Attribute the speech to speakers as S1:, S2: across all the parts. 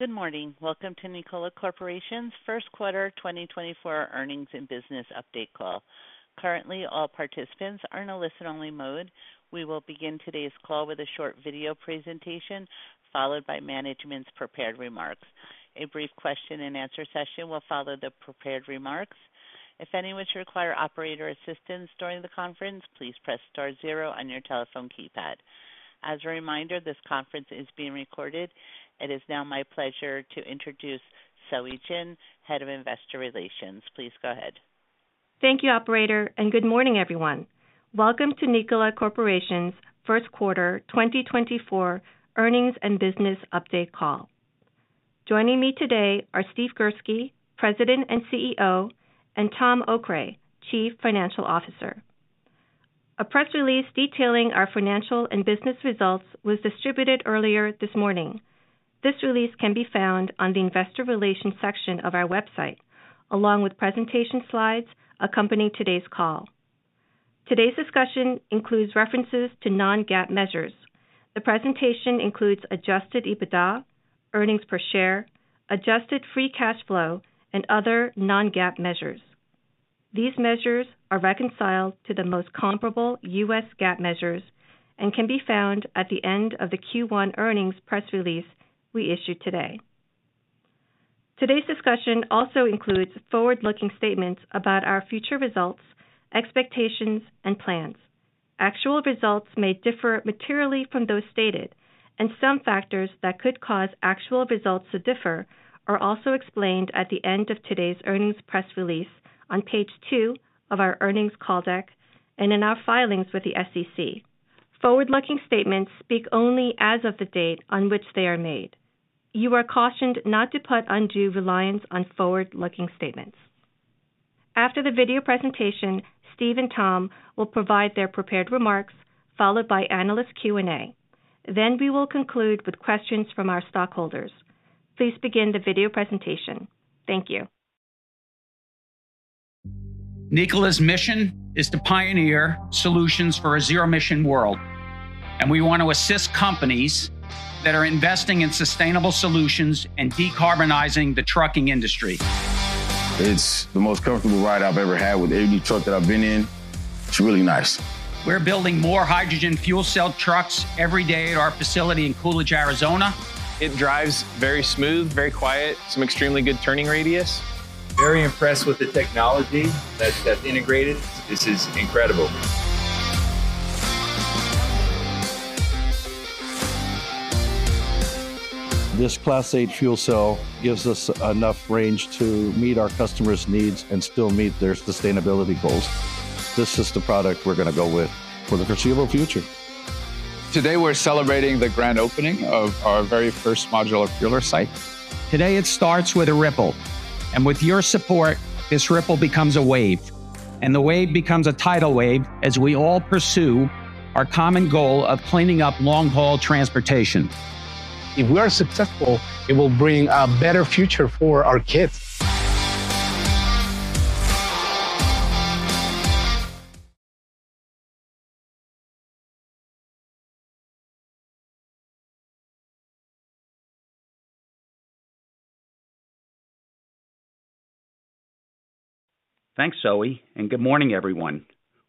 S1: Good morning. Welcome to Nikola Corporation's first quarter 2024 earnings and business update call. Currently, all participants are in a listen-only mode. We will begin today's call with a short video presentation, followed by management's prepared remarks. A brief question and answer session will follow the prepared remarks. If anyone should require operator assistance during the conference, please press star zero on your telephone keypad. As a reminder, this conference is being recorded. It is now my pleasure to introduce Zoe Jin, Head of Investor Relations. Please go ahead.
S2: Thank you, operator, and good morning, everyone. Welcome to Nikola Corporation's first quarter 2024 earnings and business update call. Joining me today are Steve Girsky, President and CEO, and Tom Okray, Chief Financial Officer. A press release detailing our financial and business results was distributed earlier this morning. This release can be found on the investor relations section of our website, along with presentation slides accompanying today's call. Today's discussion includes references to non-GAAP measures. The presentation includes adjusted EBITDA, earnings per share, adjusted free cash flow, and other non-GAAP measures. These measures are reconciled to the most comparable US GAAP measures and can be found at the end of the Q1 earnings press release we issued today. Today's discussion also includes forward-looking statements about our future results, expectations, and plans. Actual results may differ materially from those stated, and some factors that could cause actual results to differ are also explained at the end of today's earnings press release on page 2 of our earnings call deck and in our filings with the SEC. Forward-looking statements speak only as of the date on which they are made. You are cautioned not to put undue reliance on forward-looking statements. After the video presentation, Steve and Tom will provide their prepared remarks, followed by analyst Q&A. Then we will conclude with questions from our stockholders. Please begin the video presentation. Thank you.
S3: Nikola's mission is to pioneer solutions for a zero-emission world, and we want to assist companies that are investing in sustainable solutions and decarbonizing the trucking industry.
S4: It's the most comfortable ride I've ever had with any truck that I've been in. It's really nice. We're building more hydrogen fuel cell trucks every day at our facility in Coolidge, Arizona.
S2: It drives very smooth, very quiet, some extremely good turning radius.
S4: Very impressed with the technology that's integrated. This is incredible. This Class 8 fuel cell gives us enough range to meet our customers' needs and still meet their sustainability goals. This is the product we're going to go with for the foreseeable future. Today, we're celebrating the grand opening of our very first Modular Fueler site. Today, it starts with a ripple, and with your support, this ripple becomes a wave, and the wave becomes a tidal wave as we all pursue our common goal of cleaning up long-haul transportation. If we are successful, it will bring a better future for our kids.
S3: Thanks, Zoe, and good morning, everyone.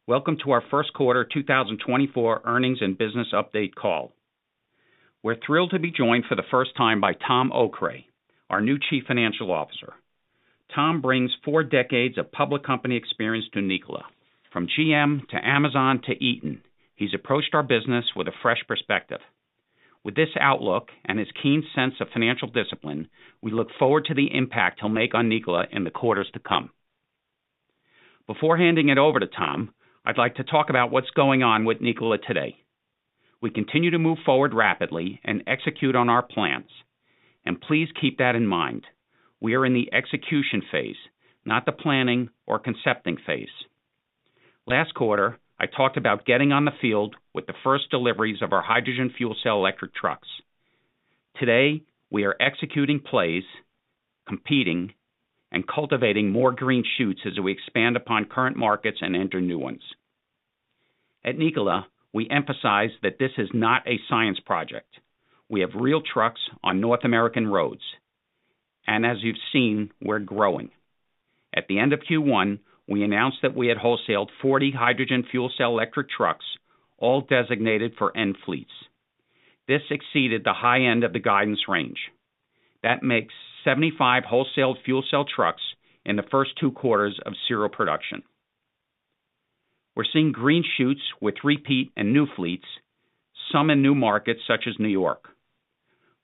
S3: Welcome to our first quarter 2024 earnings and business update call. We're thrilled to be joined for the first time by Tom Okray, our new Chief Financial Officer. Tom brings four decades of public company experience to Nikola. From GM to Amazon to Eaton, he's approached our business with a fresh perspective. With this outlook and his keen sense of financial discipline, we look forward to the impact he'll make on Nikola in the quarters to come. Before handing it over to Tom, I'd like to talk about what's going on with Nikola today. We continue to move forward rapidly and execute on our plans, and please keep that in mind. We are in the execution phase, not the planning or concepting phase. Last quarter, I talked about getting on the field with the first deliveries of our hydrogen fuel cell electric trucks. Today, we are executing plays, competing, and cultivating more green shoots as we expand upon current markets and enter new ones. At Nikola, we emphasize that this is not a science project. We have real trucks on North American roads, and as you've seen, we're growing. At the end of Q1, we announced that we had wholesaled 40 hydrogen fuel cell electric trucks, all designated for end fleets. This exceeded the high end of the guidance range. That makes 75 wholesaled fuel cell trucks in the first two quarters of serial production. We're seeing green shoots with repeat and new fleets, some in new markets such as New York.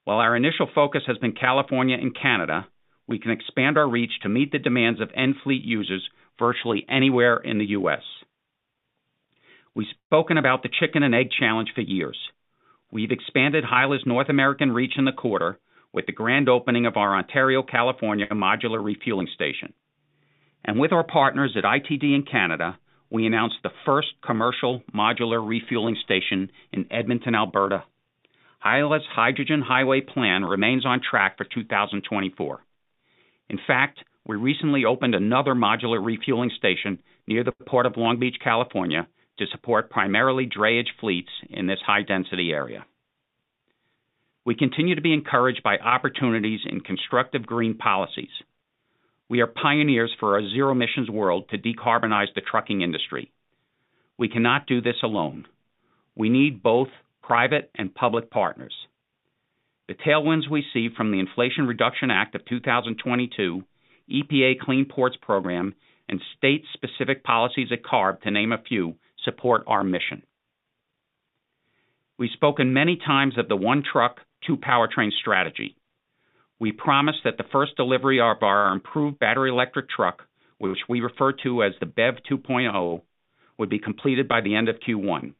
S3: While our initial focus has been California and Canada, we can expand our reach to meet the demands of end fleet users virtually anywhere in the U.S. We've spoken about the chicken and egg challenge for years. We've expanded HYLA's North American reach in the quarter with the grand opening of our Ontario, California, modular refueling station. With our partners at ITD in Canada, we announced the first commercial modular refueling station in Edmonton, Alberta. HYLA's Hydrogen Highway plan remains on track for 2024. In fact, we recently opened another modular refueling station near the Port of Long Beach, California, to support primarily drayage fleets in this high-density area. We continue to be encouraged by opportunities in constructive green policies. We are pioneers for a zero-emissions world to decarbonize the trucking industry. We cannot do this alone. We need both private and public partners. The tailwinds we see from the Inflation Reduction Act of 2022, EPA Clean Ports Program, and state-specific policies at CARB, to name a few, support our mission. We've spoken many times of the one truck, two powertrain strategy. We promised that the first delivery of our improved battery electric truck, which we refer to as the BEV 2.0, would be completed by the end of Q1.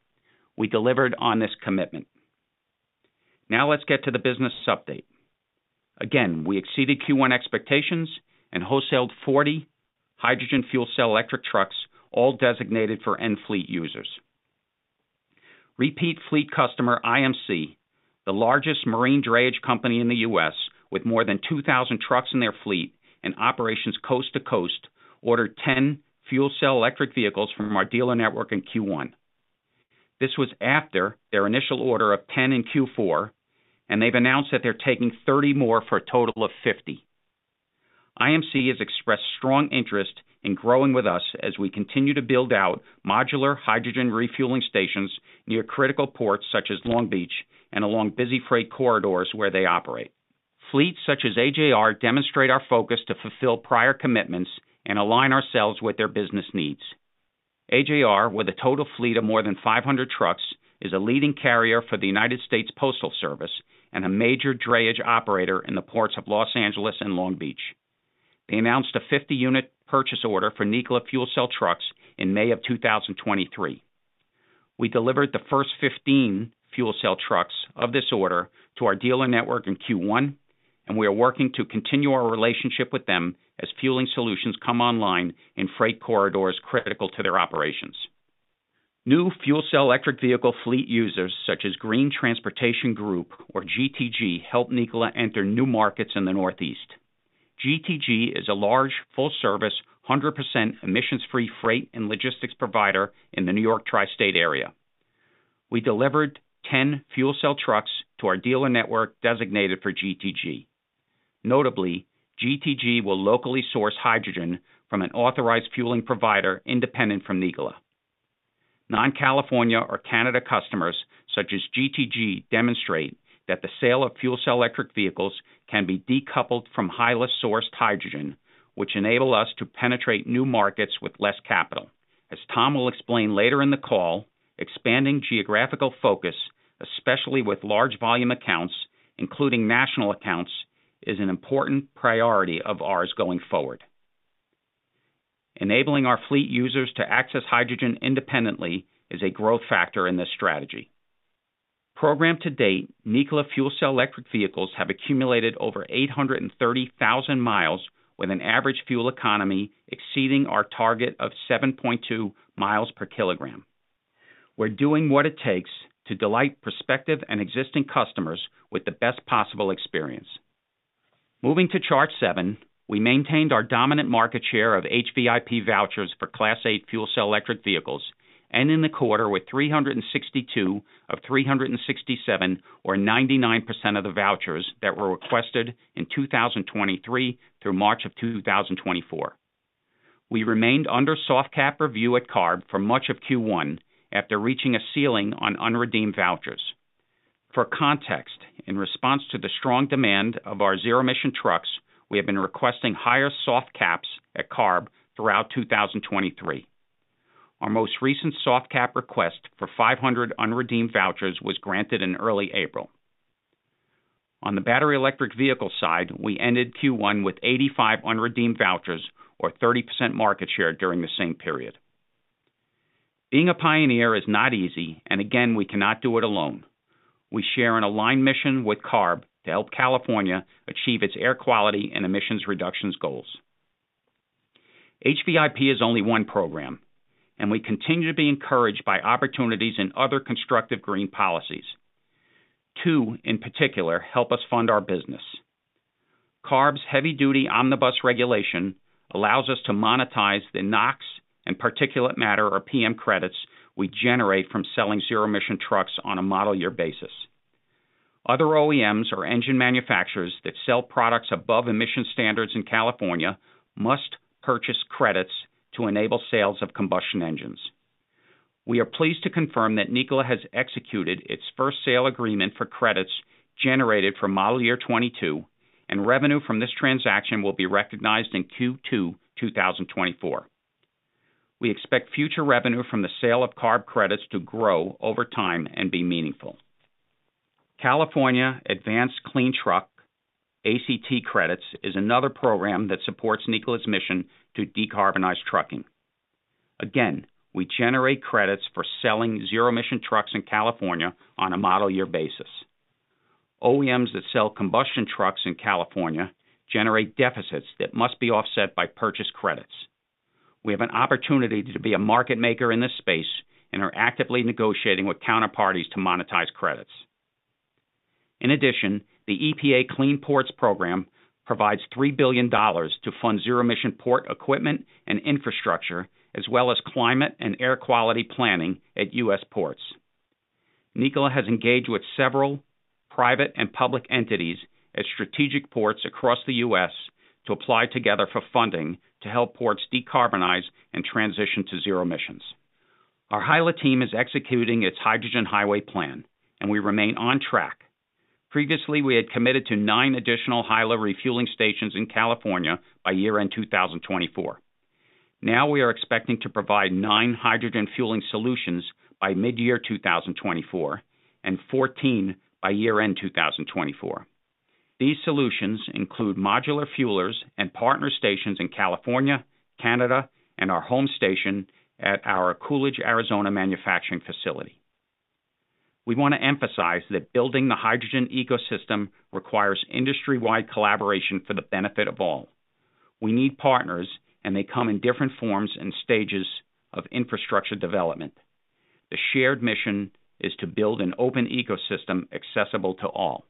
S3: We delivered on this commitment. Now let's get to the business update. Again, we exceeded Q1 expectations and wholesaled 40 hydrogen fuel cell electric trucks, all designated for end fleet users. Repeat fleet customer IMC, the largest marine drayage company in the U.S., with more than 2,000 trucks in their fleet and operations coast to coast, ordered 10 fuel cell electric vehicles from our dealer network in Q1. This was after their initial order of 10 in Q4, and they've announced that they're taking 30 more for a total of 50. IMC has expressed strong interest in growing with us as we continue to build out modular hydrogen refueling stations near critical ports such as Long Beach and along busy freight corridors where they operate. Fleets such as AJR demonstrate our focus to fulfill prior commitments and align ourselves with their business needs. AJR, with a total fleet of more than 500 trucks, is a leading carrier for the United States Postal Service and a major drayage operator in the ports of Los Angeles and Long Beach. They announced a 50-unit purchase order for Nikola fuel cell trucks in May of 2023. We delivered the first 15 fuel cell trucks of this order to our dealer network in Q1, and we are working to continue our relationship with them as fueling solutions come online in freight corridors critical to their operations. New fuel cell electric vehicle fleet users such as Green Transportation Group or GTG, help Nikola enter new markets in the Northeast. GTG is a large, full-service, 100% emissions-free freight and logistics provider in the New York Tri-State area. We delivered 10 fuel cell trucks to our dealer network designated for GTG. Notably, GTG will locally source hydrogen from an authorized fueling provider independent from Nikola. Non-California or Canada customers, such as GTG, demonstrate that the sale of fuel cell electric vehicles can be decoupled from highly sourced hydrogen, which enable us to penetrate new markets with less capital. As Tom will explain later in the call, expanding geographical focus, especially with large volume accounts, including national accounts, is an important priority of ours going forward. Enabling our fleet users to access hydrogen independently is a growth factor in this strategy. To date, Nikola fuel cell electric vehicles have accumulated over 830,000 miles with an average fuel economy exceeding our target of 7.2 miles per kilogram. We're doing what it takes to delight prospective and existing customers with the best possible experience. Moving to Chart 7, we maintained our dominant market share of HVIP vouchers for Class 8 fuel cell electric vehicles, ending the quarter with 362 of 367, or 99% of the vouchers that were requested in 2023 through March of 2024. We remained under soft cap review at CARB for much of Q1 after reaching a ceiling on unredeemed vouchers. For context, in response to the strong demand of our zero-emission trucks, we have been requesting higher soft caps at CARB throughout 2023. Our most recent soft cap request for 500 unredeemed vouchers was granted in early April. On the battery electric vehicle side, we ended Q1 with 85 unredeemed vouchers or 30% market share during the same period. Being a pioneer is not easy, and again, we cannot do it alone. We share an aligned mission with CARB to help California achieve its air quality and emissions reductions goals. HVIP is only one program, and we continue to be encouraged by opportunities in other constructive green policies. Two, in particular, help us fund our business. CARB's Heavy-Duty Omnibus regulation allows us to monetize the NOx and particulate matter, or PM credits, we generate from selling zero-emission trucks on a model year basis. Other OEMs or engine manufacturers that sell products above emission standards in California must purchase credits to enable sales of combustion engines. We are pleased to confirm that Nikola has executed its first sale agreement for credits generated from model year 2022, and revenue from this transaction will be recognized in Q2 2024. We expect future revenue from the sale of CARB credits to grow over time and be meaningful. California Advanced Clean Truck ACT credits is another program that supports Nikola's mission to decarbonize trucking. Again, we generate credits for selling zero-emission trucks in California on a model year basis. OEMs that sell combustion trucks in California generate deficits that must be offset by purchase credits. We have an opportunity to be a market maker in this space and are actively negotiating with counterparties to monetize credits. In addition, the EPA Clean Ports Program provides $3 billion to fund zero-emission port equipment and infrastructure, as well as climate and air quality planning at U.S. ports. Nikola has engaged with several private and public entities at strategic ports across the U.S. to apply together for funding to help ports decarbonize and transition to zero emissions. Our HYLA team is executing its hydrogen highway plan, and we remain on track. Previously, we had committed to 9 additional HYLA refueling stations in California by year-end 2024. Now we are expecting to provide 9 hydrogen fueling solutions by midyear 2024, and 14 by year-end 2024. These solutions include modular fuelers and partner stations in California, Canada, and our home station at our Coolidge, Arizona, manufacturing facility. We want to emphasize that building the hydrogen ecosystem requires industry-wide collaboration for the benefit of all. We need partners, and they come in different forms and stages of infrastructure development. The shared mission is to build an open ecosystem accessible to all.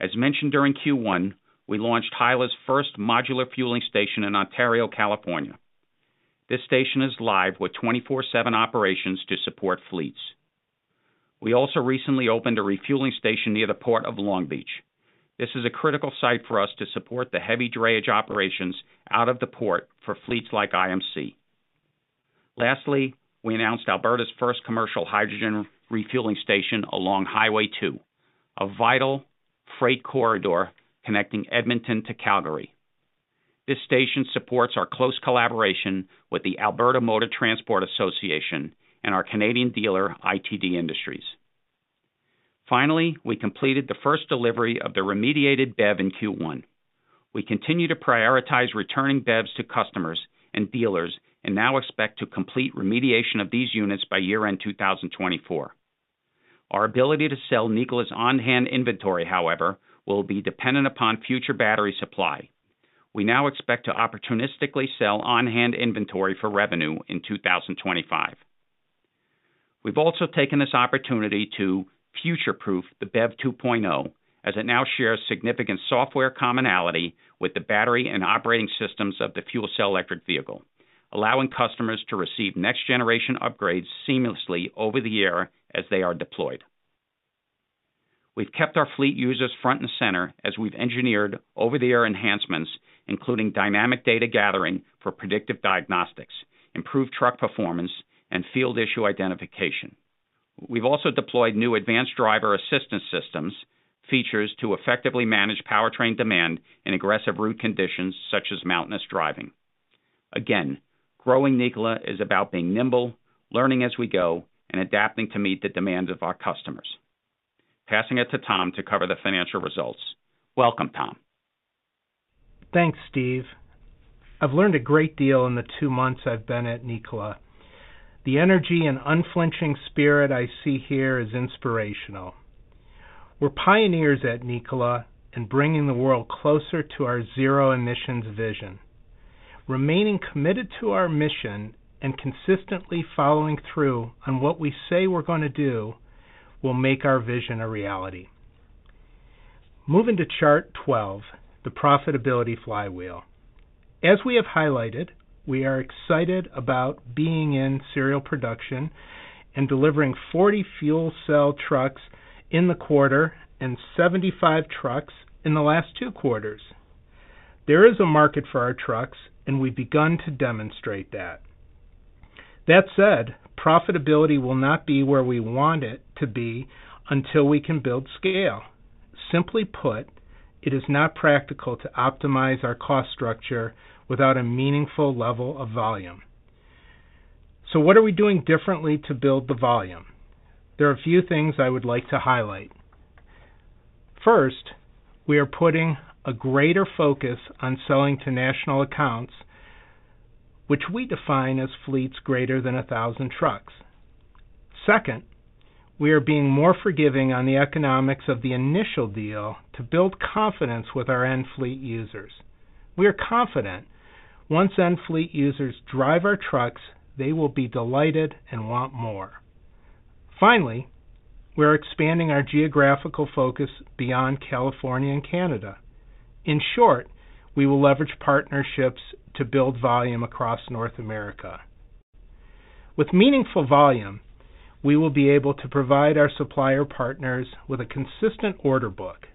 S3: As mentioned during Q1, we launched HYLA's first modular fueling station in Ontario, California. This station is live with 24/7 operations to support fleets. We also recently opened a refueling station near the Port of Long Beach. This is a critical site for us to support the heavy drayage operations out of the port for fleets like IMC. Lastly, we announced Alberta's first commercial hydrogen refueling station along Highway 2, a vital freight corridor connecting Edmonton to Calgary. This station supports our close collaboration with the Alberta Motor Transport Association and our Canadian dealer, ITD Industries. Finally, we completed the first delivery of the remediated BEV in Q1. We continue to prioritize returning BEVs to customers and dealers, and now expect to complete remediation of these units by year-end 2024. Our ability to sell Nikola's on-hand inventory, however, will be dependent upon future battery supply. We now expect to opportunistically sell on-hand inventory for revenue in 2025. We've also taken this opportunity to future-proof the BEV 2.0, as it now shares significant software commonality with the battery and operating systems of the fuel cell electric vehicle, allowing customers to receive next-generation upgrades seamlessly over-the-air as they are deployed. We've kept our fleet users front and center as we've engineered over-the-air enhancements, including dynamic data gathering for predictive diagnostics, improved truck performance, and field issue identification. We've also deployed new Advanced Driver Assistance Systems features to effectively manage powertrain demand in aggressive route conditions, such as mountainous driving. Again, growing Nikola is about being nimble, learning as we go, and adapting to meet the demands of our customers. Passing it to Tom to cover the financial results. Welcome, Tom.
S5: Thanks, Steve. I've learned a great deal in the 2 months I've been at Nikola. The energy and unflinching spirit I see here is inspirational. We're pioneers at Nikola in bringing the world closer to our zero emissions vision. Remaining committed to our mission and consistently following through on what we say we're going to do will make our vision a reality. Moving to chart 12, the profitability flywheel. As we have highlighted, we are excited about being in serial production and delivering 40 fuel cell trucks in the quarter and 75 trucks in the last 2 quarters. There is a market for our trucks, and we've begun to demonstrate that. That said, profitability will not be where we want it to be until we can build scale. Simply put, it is not practical to optimize our cost structure without a meaningful level of volume. So what are we doing differently to build the volume? There are a few things I would like to highlight. First, we are putting a greater focus on selling to national accounts, which we define as fleets greater than 1,000 trucks. Second, we are being more forgiving on the economics of the initial deal to build confidence with our end fleet users. We are confident once end fleet users drive our trucks, they will be delighted and want more. Finally, we are expanding our geographical focus beyond California and Canada. In short, we will leverage partnerships to build volume across North America. With meaningful volume, we will be able to provide our supplier partners with a consistent order book.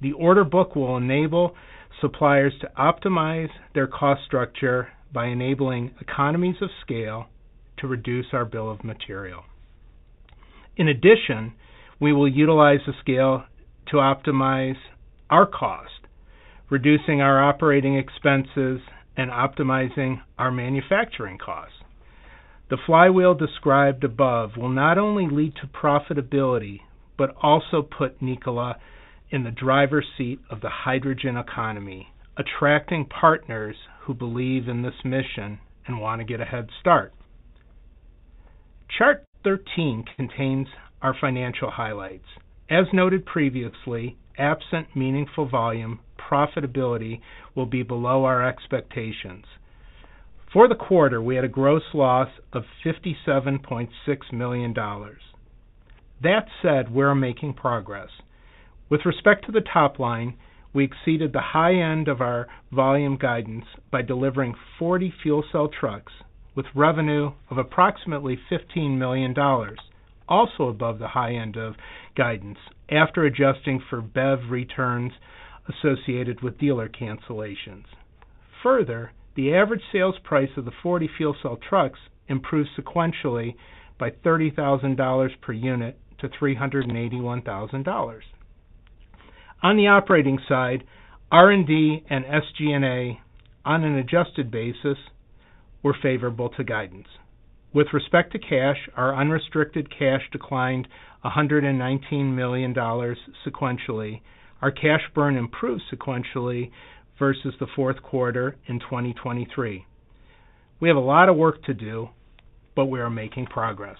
S5: The order book will enable suppliers to optimize their cost structure by enabling economies of scale to reduce our bill of material. In addition, we will utilize the scale to optimize our cost, reducing our operating expenses and optimizing our manufacturing costs. The flywheel described above will not only lead to profitability, but also put Nikola in the driver's seat of the hydrogen economy, attracting partners who believe in this mission and want to get a head start. Chart 13 contains our financial highlights. As noted previously, absent meaningful volume, profitability will be below our expectations. For the quarter, we had a gross loss of $57.6 million. That said, we are making progress. With respect to the top line, we exceeded the high end of our volume guidance by delivering 40 fuel cell trucks, with revenue of approximately $15 million, also above the high end of guidance, after adjusting for BEV returns associated with dealer cancellations. Further, the average sales price of the 40 fuel cell trucks improved sequentially by $30,000 per unit to $381,000. On the operating side, R&D and SG&A, on an adjusted basis, were favorable to guidance. With respect to cash, our unrestricted cash declined $119 million sequentially. Our cash burn improved sequentially versus the fourth quarter in 2023. We have a lot of work to do, but we are making progress.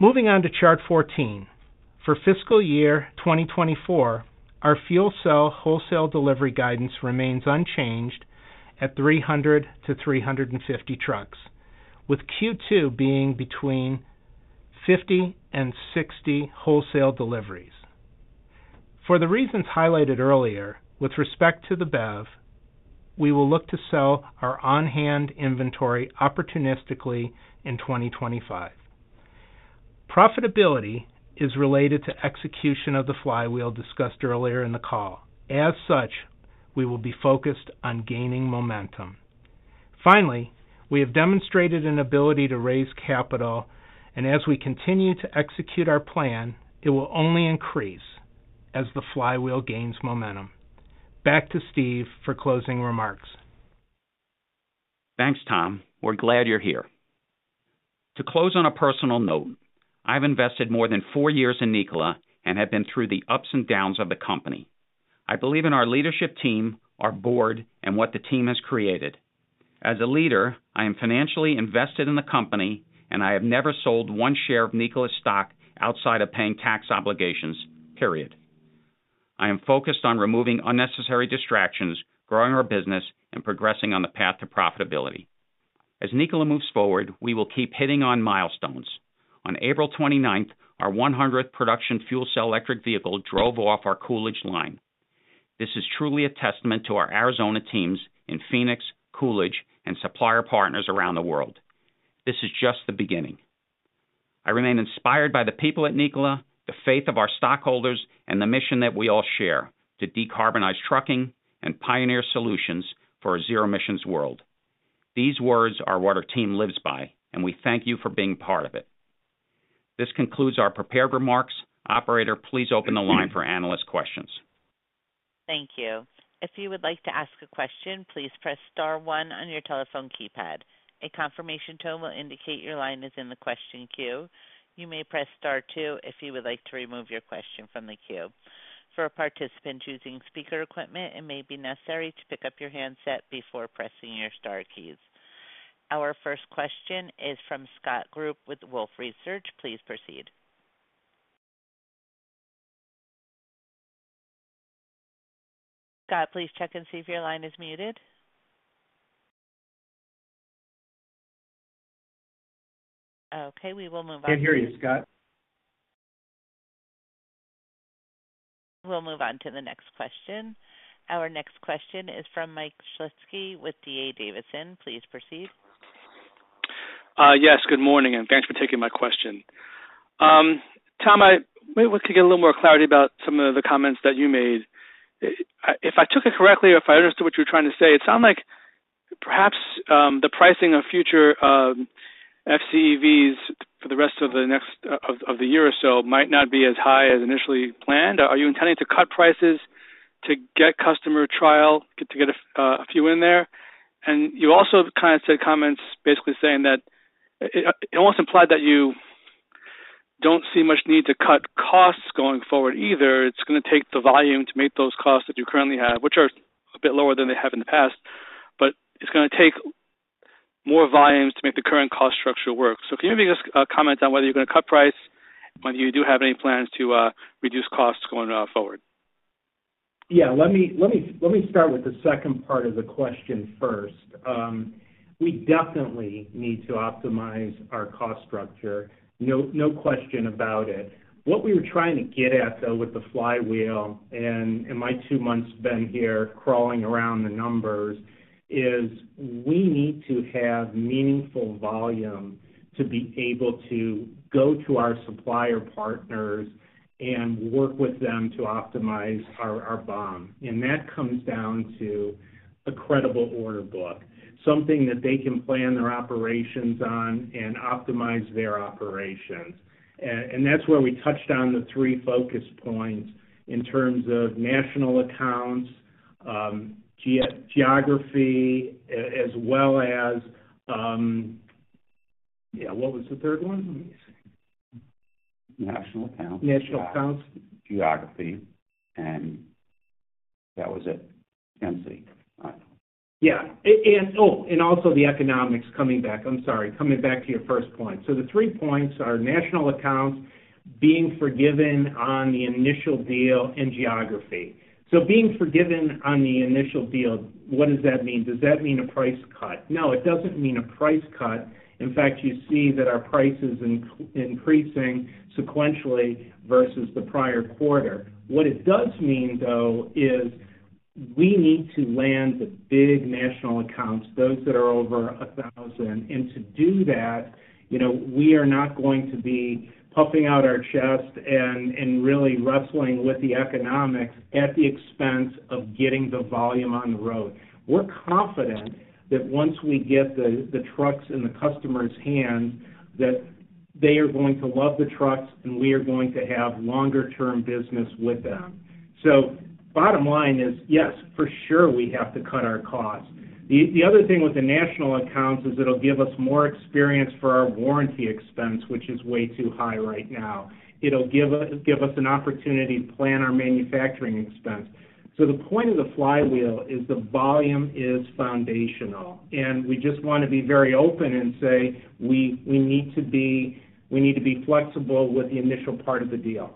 S5: Moving on to chart 14. For fiscal year 2024, our fuel cell wholesale delivery guidance remains unchanged at 300-350 trucks, with Q2 being between 50 and 60 wholesale deliveries. For the reasons highlighted earlier, with respect to the BEV, we will look to sell our on-hand inventory opportunistically in 2025. Profitability is related to execution of the flywheel discussed earlier in the call. As such, we will be focused on gaining momentum. Finally, we have demonstrated an ability to raise capital, and as we continue to execute our plan, it will only increase as the flywheel gains momentum. Back to Steve for closing remarks.
S3: Thanks, Tom. We're glad you're here. To close on a personal note, I've invested more than 4 years in Nikola and have been through the ups and downs of the company. I believe in our leadership team, our board, and what the team has created. As a leader, I am financially invested in the company, and I have never sold one share of Nikola stock outside of paying tax obligations, period. I am focused on removing unnecessary distractions, growing our business, and progressing on the path to profitability. As Nikola moves forward, we will keep hitting on milestones. On April twenty-ninth, our 100th production fuel cell electric vehicle drove off our Coolidge line. This is truly a testament to our Arizona teams in Phoenix, Coolidge, and supplier partners around the world. This is just the beginning. I remain inspired by the people at Nikola, the faith of our stockholders, and the mission that we all share to decarbonize trucking and pioneer solutions for a zero emissions world. These words are what our team lives by, and we thank you for being part of it. This concludes our prepared remarks. Operator, please open the line for analyst questions.
S1: Thank you. If you would like to ask a question, please press star one on your telephone keypad. A confirmation tone will indicate your line is in the question queue. You may press star two if you would like to remove your question from the queue. For a participant choosing speaker equipment, it may be necessary to pick up your handset before pressing your star keys. Our first question is from Scott Group with Wolfe Research. Please proceed. Scott, please check and see if your line is muted. Okay, we will move on.
S3: Can't hear you, Scott.
S1: We'll move on to the next question. Our next question is from Mike Schlisky with D.A. Davidson. Please proceed.
S6: Yes, good morning, and thanks for taking my question. Tom, maybe we could get a little more clarity about some of the comments that you made. If I took it correctly or if I understood what you were trying to say, it sounded like perhaps the pricing of future FCEVs for the rest of the next year or so might not be as high as initially planned. Are you intending to cut prices to get customer trial, to get a few in there? And you also kind of said comments basically saying that it almost implied that you don't see much need to cut costs going forward, either. It's going to take the volume to meet those costs that you currently have, which are a bit lower than they have in the past, but it's going to take more volumes to make the current cost structure work. So can you maybe just comment on whether you're going to cut price, whether you do have any plans to reduce costs going forward?
S5: Yeah, let me, let me, let me start with the second part of the question first. We definitely need to optimize our cost structure, no question about it. What we were trying to get at, though, with the flywheel and in my two months spent here crawling around the numbers, is we need to have meaningful volume to be able to go to our supplier partners and work with them to optimize our, our BOM. And that comes down to a credible order book, something that they can plan their operations on and optimize their operations. And that's where we touched on the three focus points in terms of national accounts, geography, as well as... Yeah, what was the third one? Let me see.
S3: National accounts.
S5: National accounts.
S3: Geography, and that was it. IMC.
S5: Yeah, and also the economics coming back. I'm sorry, coming back to your first point. So the three points are national accounts-... being forgiven on the initial deal and geography. So being forgiven on the initial deal, what does that mean? Does that mean a price cut? No, it doesn't mean a price cut. In fact, you see that our price is increasing sequentially versus the prior quarter. What it does mean, though, is we need to land the big national accounts, those that are over a thousand. And to do that, you know, we are not going to be puffing out our chest and really wrestling with the economics at the expense of getting the volume on the road. We're confident that once we get the trucks in the customer's hands, that they are going to love the trucks, and we are going to have longer-term business with them. So bottom line is, yes, for sure, we have to cut our costs. The other thing with the national accounts is it'll give us more experience for our warranty expense, which is way too high right now. It'll give us an opportunity to plan our manufacturing expense. So the point of the flywheel is the volume is foundational, and we just wanna be very open and say, we need to be flexible with the initial part of the deal.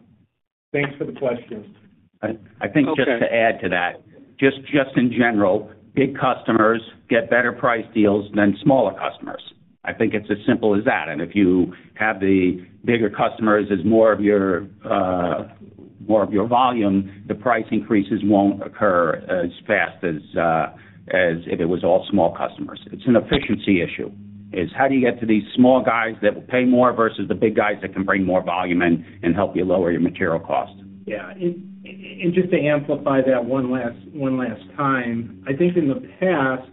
S5: Thanks for the question.
S3: I think just to add to that, just in general, big customers get better price deals than smaller customers. I think it's as simple as that. If you have the bigger customers as more of your, more of your volume, the price increases won't occur as fast as, as if it was all small customers. It's an efficiency issue. It's how do you get to these small guys that will pay more versus the big guys that can bring more volume in and help you lower your material cost?
S5: Yeah. And just to amplify that one last time, I think in the past,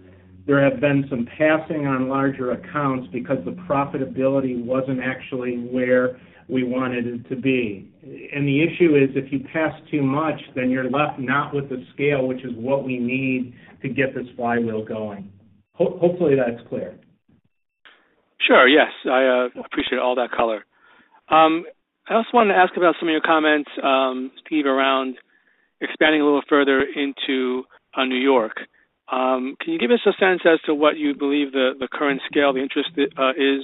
S5: there have been some passing on larger accounts because the profitability wasn't actually where we wanted it to be. And the issue is, if you pass too much, then you're left not with the scale, which is what we need to get this flywheel going. Hopefully, that's clear.
S6: Sure. Yes, I appreciate all that color. I also wanted to ask about some of your comments, Steve, around expanding a little further into New York. Can you give us a sense as to what you believe the current scale of interest is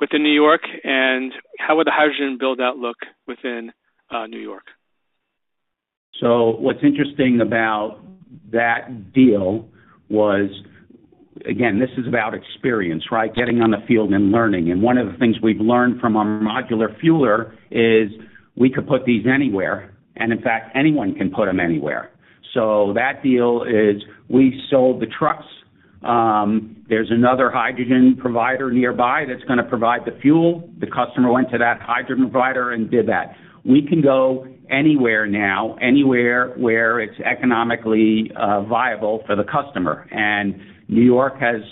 S6: within New York, and how would the hydrogen build out look within New York?
S3: So what's interesting about that deal was, again, this is about experience, right? Getting on the field and learning. And one of the things we've learned from our Modular Fueler is we could put these anywhere, and in fact, anyone can put them anywhere. So that deal is, we sold the trucks, there's another hydrogen provider nearby that's gonna provide the fuel. The customer went to that hydrogen provider and did that. We can go anywhere now, anywhere where it's economically viable for the customer. And New York has,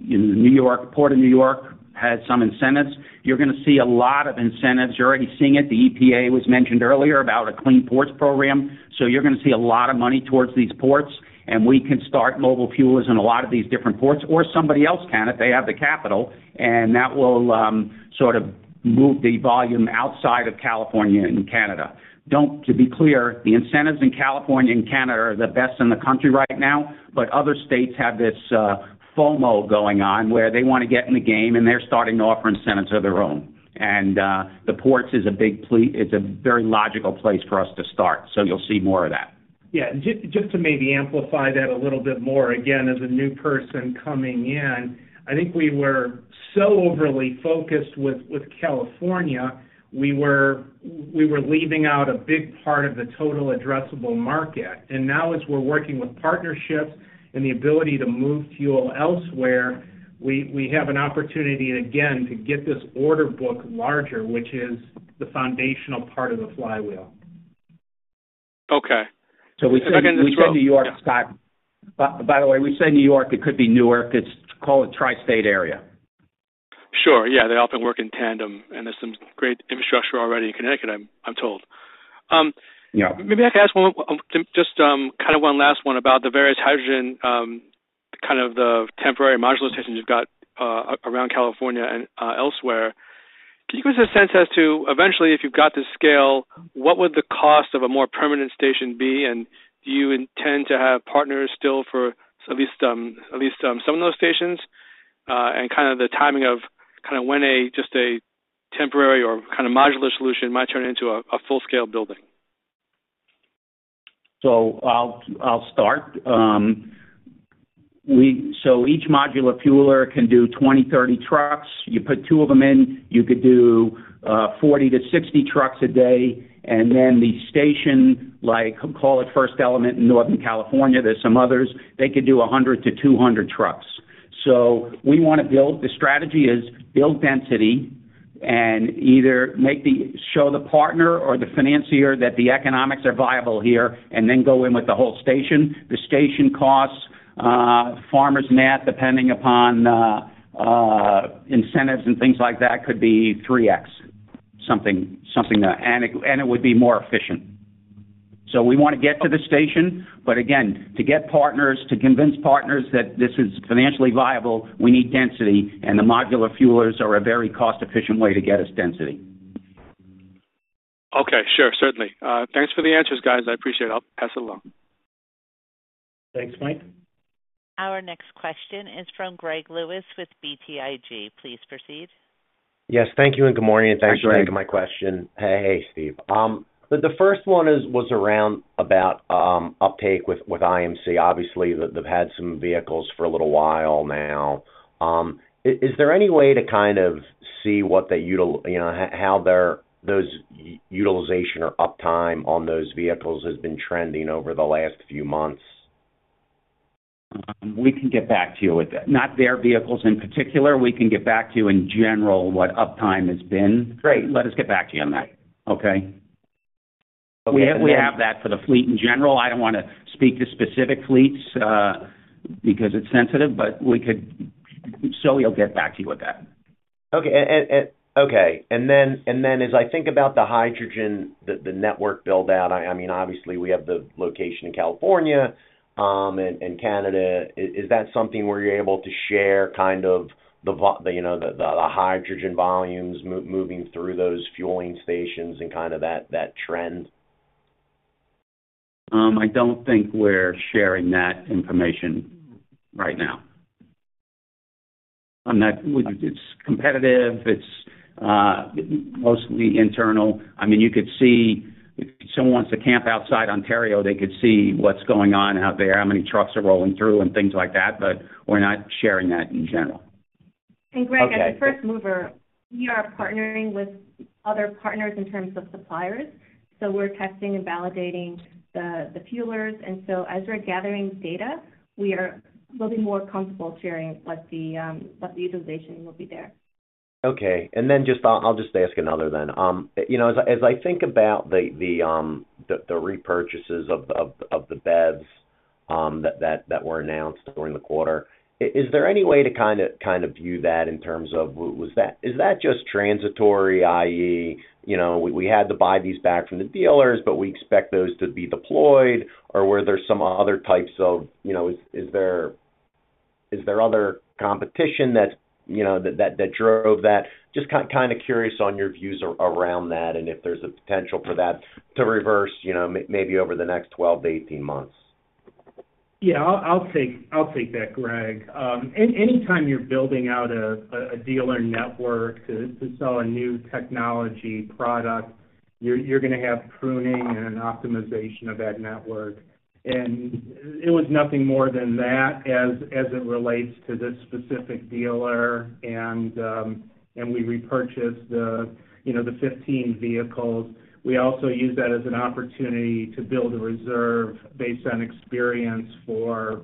S3: New York, Port of New York has some incentives. You're gonna see a lot of incentives. You're already seeing it. The EPA was mentioned earlier about a Clean Ports Program, so you're gonna see a lot of money towards these ports, and we can start modular fuelers in a lot of these different ports, or somebody else can if they have the capital, and that will sort of move the volume outside of California and Canada. To be clear, the incentives in California and Canada are the best in the country right now, but other states have this FOMO going on, where they wanna get in the game, and they're starting to offer incentives of their own. And the ports is a big play. It's a very logical place for us to start, so you'll see more of that.
S5: Yeah, just to maybe amplify that a little bit more, again, as a new person coming in, I think we were so overly focused with California, we were leaving out a big part of the total addressable market. And now, as we're working with partnerships and the ability to move fuel elsewhere, we have an opportunity again to get this order book larger, which is the foundational part of the flywheel.
S6: Okay.
S3: We said New York, Scott. By the way, we say New York, it could be Newark. It's, call it, Tri-State area.
S6: Sure. Yeah, they often work in tandem, and there's some great infrastructure already in Connecticut, I'm told.
S3: Yeah.
S6: Maybe I can ask one, just, kind of one last one about the various hydrogen, kind of the temporary modular stations you've got, around California and, elsewhere. Can you give us a sense as to, eventually, if you've got this scale, what would the cost of a more permanent station be? And do you intend to have partners still for at least, at least, some of those stations? And kind of the timing of kind of when a, just a temporary or kind of modular solution might turn into a full-scale building.
S3: So I'll start. So each modular fueler can do 20, 30 trucks. You put two of them in, you could do 40-60 trucks a day, and then the station, like, call it FirstElement Fuel in Northern California, there's some others, they could do 100-200 trucks. So we wanna build. The strategy is build density and either make the show the partner or the financier that the economics are viable here, and then go in with the whole station. The station costs, four million net, depending upon incentives and things like that, could be 3x, something, something, and it, and it would be more efficient. We wanna get to the station, but again, to get partners, to convince partners that this is financially viable, we need density, and the modular fuelers are a very cost-efficient way to get us density.
S6: Okay, sure. Certainly. Thanks for the answers, guys. I appreciate it. I'll pass it along....
S5: Thanks, Mike.
S1: Our next question is from Greg Lewis with BTIG. Please proceed.
S7: Yes, thank you and good morning, and thanks for taking my question.
S5: Hi, Greg.
S7: Hey, Steve. The first one is around about uptake with IMC. Obviously, they've had some vehicles for a little while now. Is there any way to kind of see what the utilization, you know, how their utilization or uptime on those vehicles has been trending over the last few months?
S5: We can get back to you with that. Not their vehicles in particular, we can get back to you in general, what uptime has been.
S7: Great.
S5: Let us get back to you on that. Okay? We have, we have that for the fleet in general. I don't wanna speak to specific fleets, because it's sensitive, but we could... So we'll get back to you with that.
S7: Okay. And then as I think about the hydrogen, the network build out, I mean, obviously, we have the location in California, and Canada. Is that something where you're able to share kind of the—you know, the hydrogen volumes moving through those fueling stations and kind of that trend?
S5: I don't think we're sharing that information right now. On that, it's competitive, it's mostly internal. I mean, you could see, if someone wants to camp outside Ontario, they could see what's going on out there, how many trucks are rolling through and things like that, but we're not sharing that in general.
S7: Okay.
S8: And Greg, as a first mover, we are partnering with other partners in terms of suppliers, so we're testing and validating the fuelers. So as we're gathering data, we are – we'll be more comfortable sharing what the utilization will be there.
S7: Okay. Then just I'll ask another then. You know, as I think about the repurchases of the BEVs that were announced during the quarter, is there any way to kind of view that in terms of what was that. Is that just transitory, i.e., you know, we had to buy these back from the dealers, but we expect those to be deployed? Or were there some other types of, you know, is there other competition that that drove that? Just kind of curious on your views around that, and if there's a potential for that to reverse, you know, maybe over the next 12-18 months.
S5: Yeah, I'll take that, Greg. Anytime you're building out a dealer network to sell a new technology product, you're gonna have pruning and an optimization of that network. And it was nothing more than that as it relates to this specific dealer, and we repurchased the, you know, the 15 vehicles. We also used that as an opportunity to build a reserve based on experience for,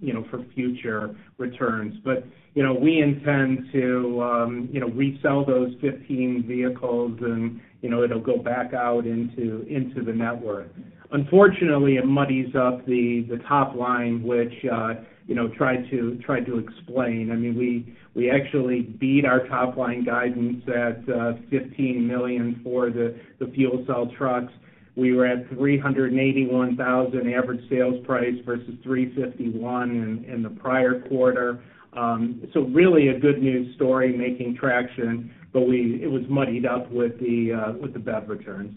S5: you know, for future returns. But, you know, we intend to, you know, resell those 15 vehicles and, you know, it'll go back out into the network. Unfortunately, it muddies up the top line, which, you know, tried to explain. I mean, we actually beat our top-line guidance at $15 million for the fuel cell trucks. We were at $381,000 average sales price versus $351,000 in the prior quarter. So really a good news story, making traction, but it was muddied up with the BEV returns.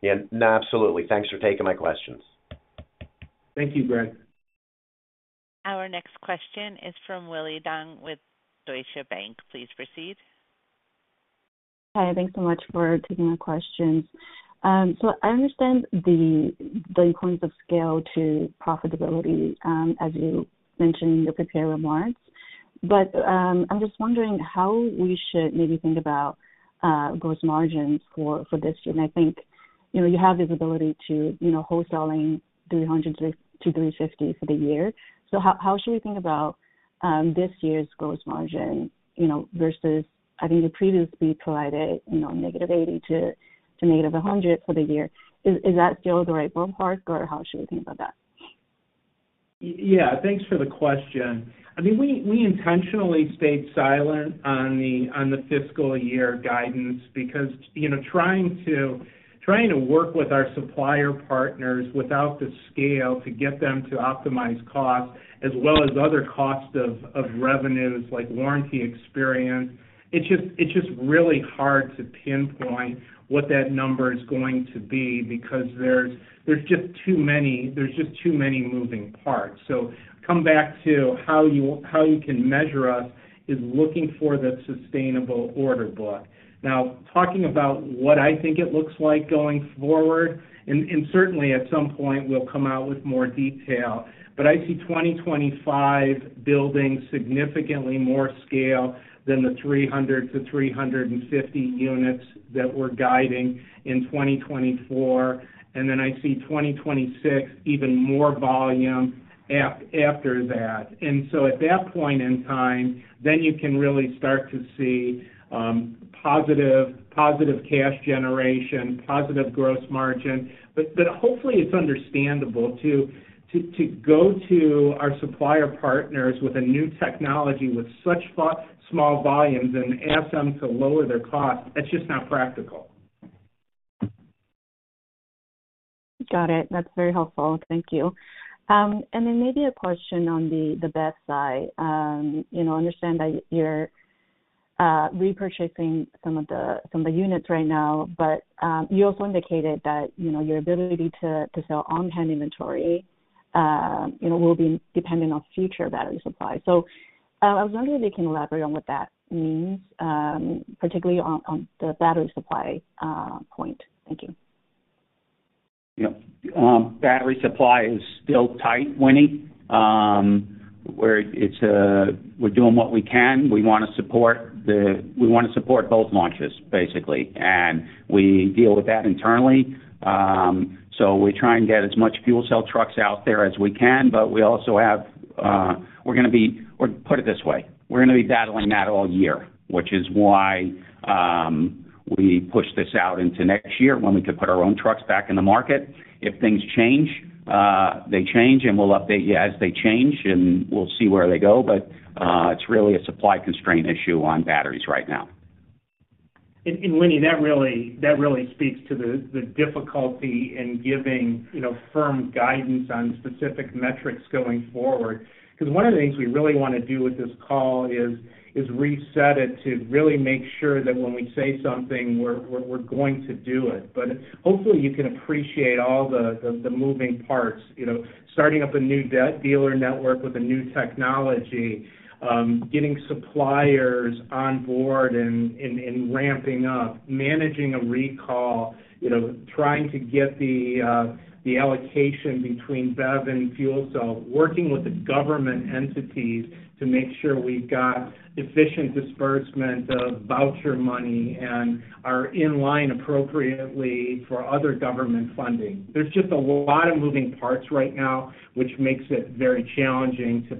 S7: Yeah. No, absolutely. Thanks for taking my questions.
S5: Thank you, Greg.
S1: Our next question is from Winnie Dong with Deutsche Bank. Please proceed.
S9: Hi, thanks so much for taking the questions. So I understand the importance of scale to profitability, as you mentioned in your prepared remarks. But I'm just wondering how we should maybe think about gross margins for this year. And I think, you know, you have this ability to, you know, wholesaling 300-350 for the year. So how should we think about this year's gross margin, you know, versus, I think you previously provided, you know, -80% to -100% for the year. Is that still the right ballpark, or how should we think about that?
S5: Yeah, thanks for the question. I mean, we intentionally stayed silent on the fiscal year guidance because, you know, trying to work with our supplier partners without the scale to get them to optimize costs, as well as other costs of revenues like warranty experience, it's just really hard to pinpoint what that number is going to be because there's just too many moving parts. So come back to how you can measure us is looking for the sustainable order book. Now, talking about what I think it looks like going forward, and certainly at some point we'll come out with more detail, but I see 2025 building significantly more scale than the 300-350 units that we're guiding in 2024. Then I see 2026, even more volume after that. And so at that point in time, then you can really start to see positive, positive cash generation, positive gross margin. But hopefully it's understandable to go to our supplier partners with a new technology, with such small volumes and ask them to lower their costs, that's just not practical.
S9: Got it. That's very helpful. Thank you. And then maybe a question on the BEV side. You know, I understand that you're repurchasing some of the units right now, but you also indicated that, you know, your ability to sell on-hand inventory, you know, will be dependent on future battery supply. So I was wondering if you can elaborate on what that means, particularly on the battery supply point. Thank you.
S3: Yeah. Battery supply is still tight, Winnie. Where it's, we're doing what we can. We wanna support both launches, basically, and we deal with that internally. So we try and get as much fuel cell trucks out there as we can, but we also have, we're gonna be- or put it this way, we're gonna be battling that all year, which is why, we pushed this out into next year when we could put our own trucks back in the market. If things change, they change, and we'll update you as they change, and we'll see where they go. But, it's really a supply constraint issue on batteries right now.
S5: Winnie, that really speaks to the difficulty in giving, you know, firm guidance on specific metrics going forward. Because one of the things we really wanna do with this call is reset it to really make sure that when we say something, we're going to do it. But hopefully, you can appreciate all the moving parts. You know, starting up a new dealer network with a new technology, getting suppliers on board and ramping up, managing a recall, you know, trying to get the allocation between BEV and fuel cell, working with the government entities to make sure we've got efficient disbursement of voucher money and are in line appropriately for other government funding. There's just a lot of moving parts right now, which makes it very challenging to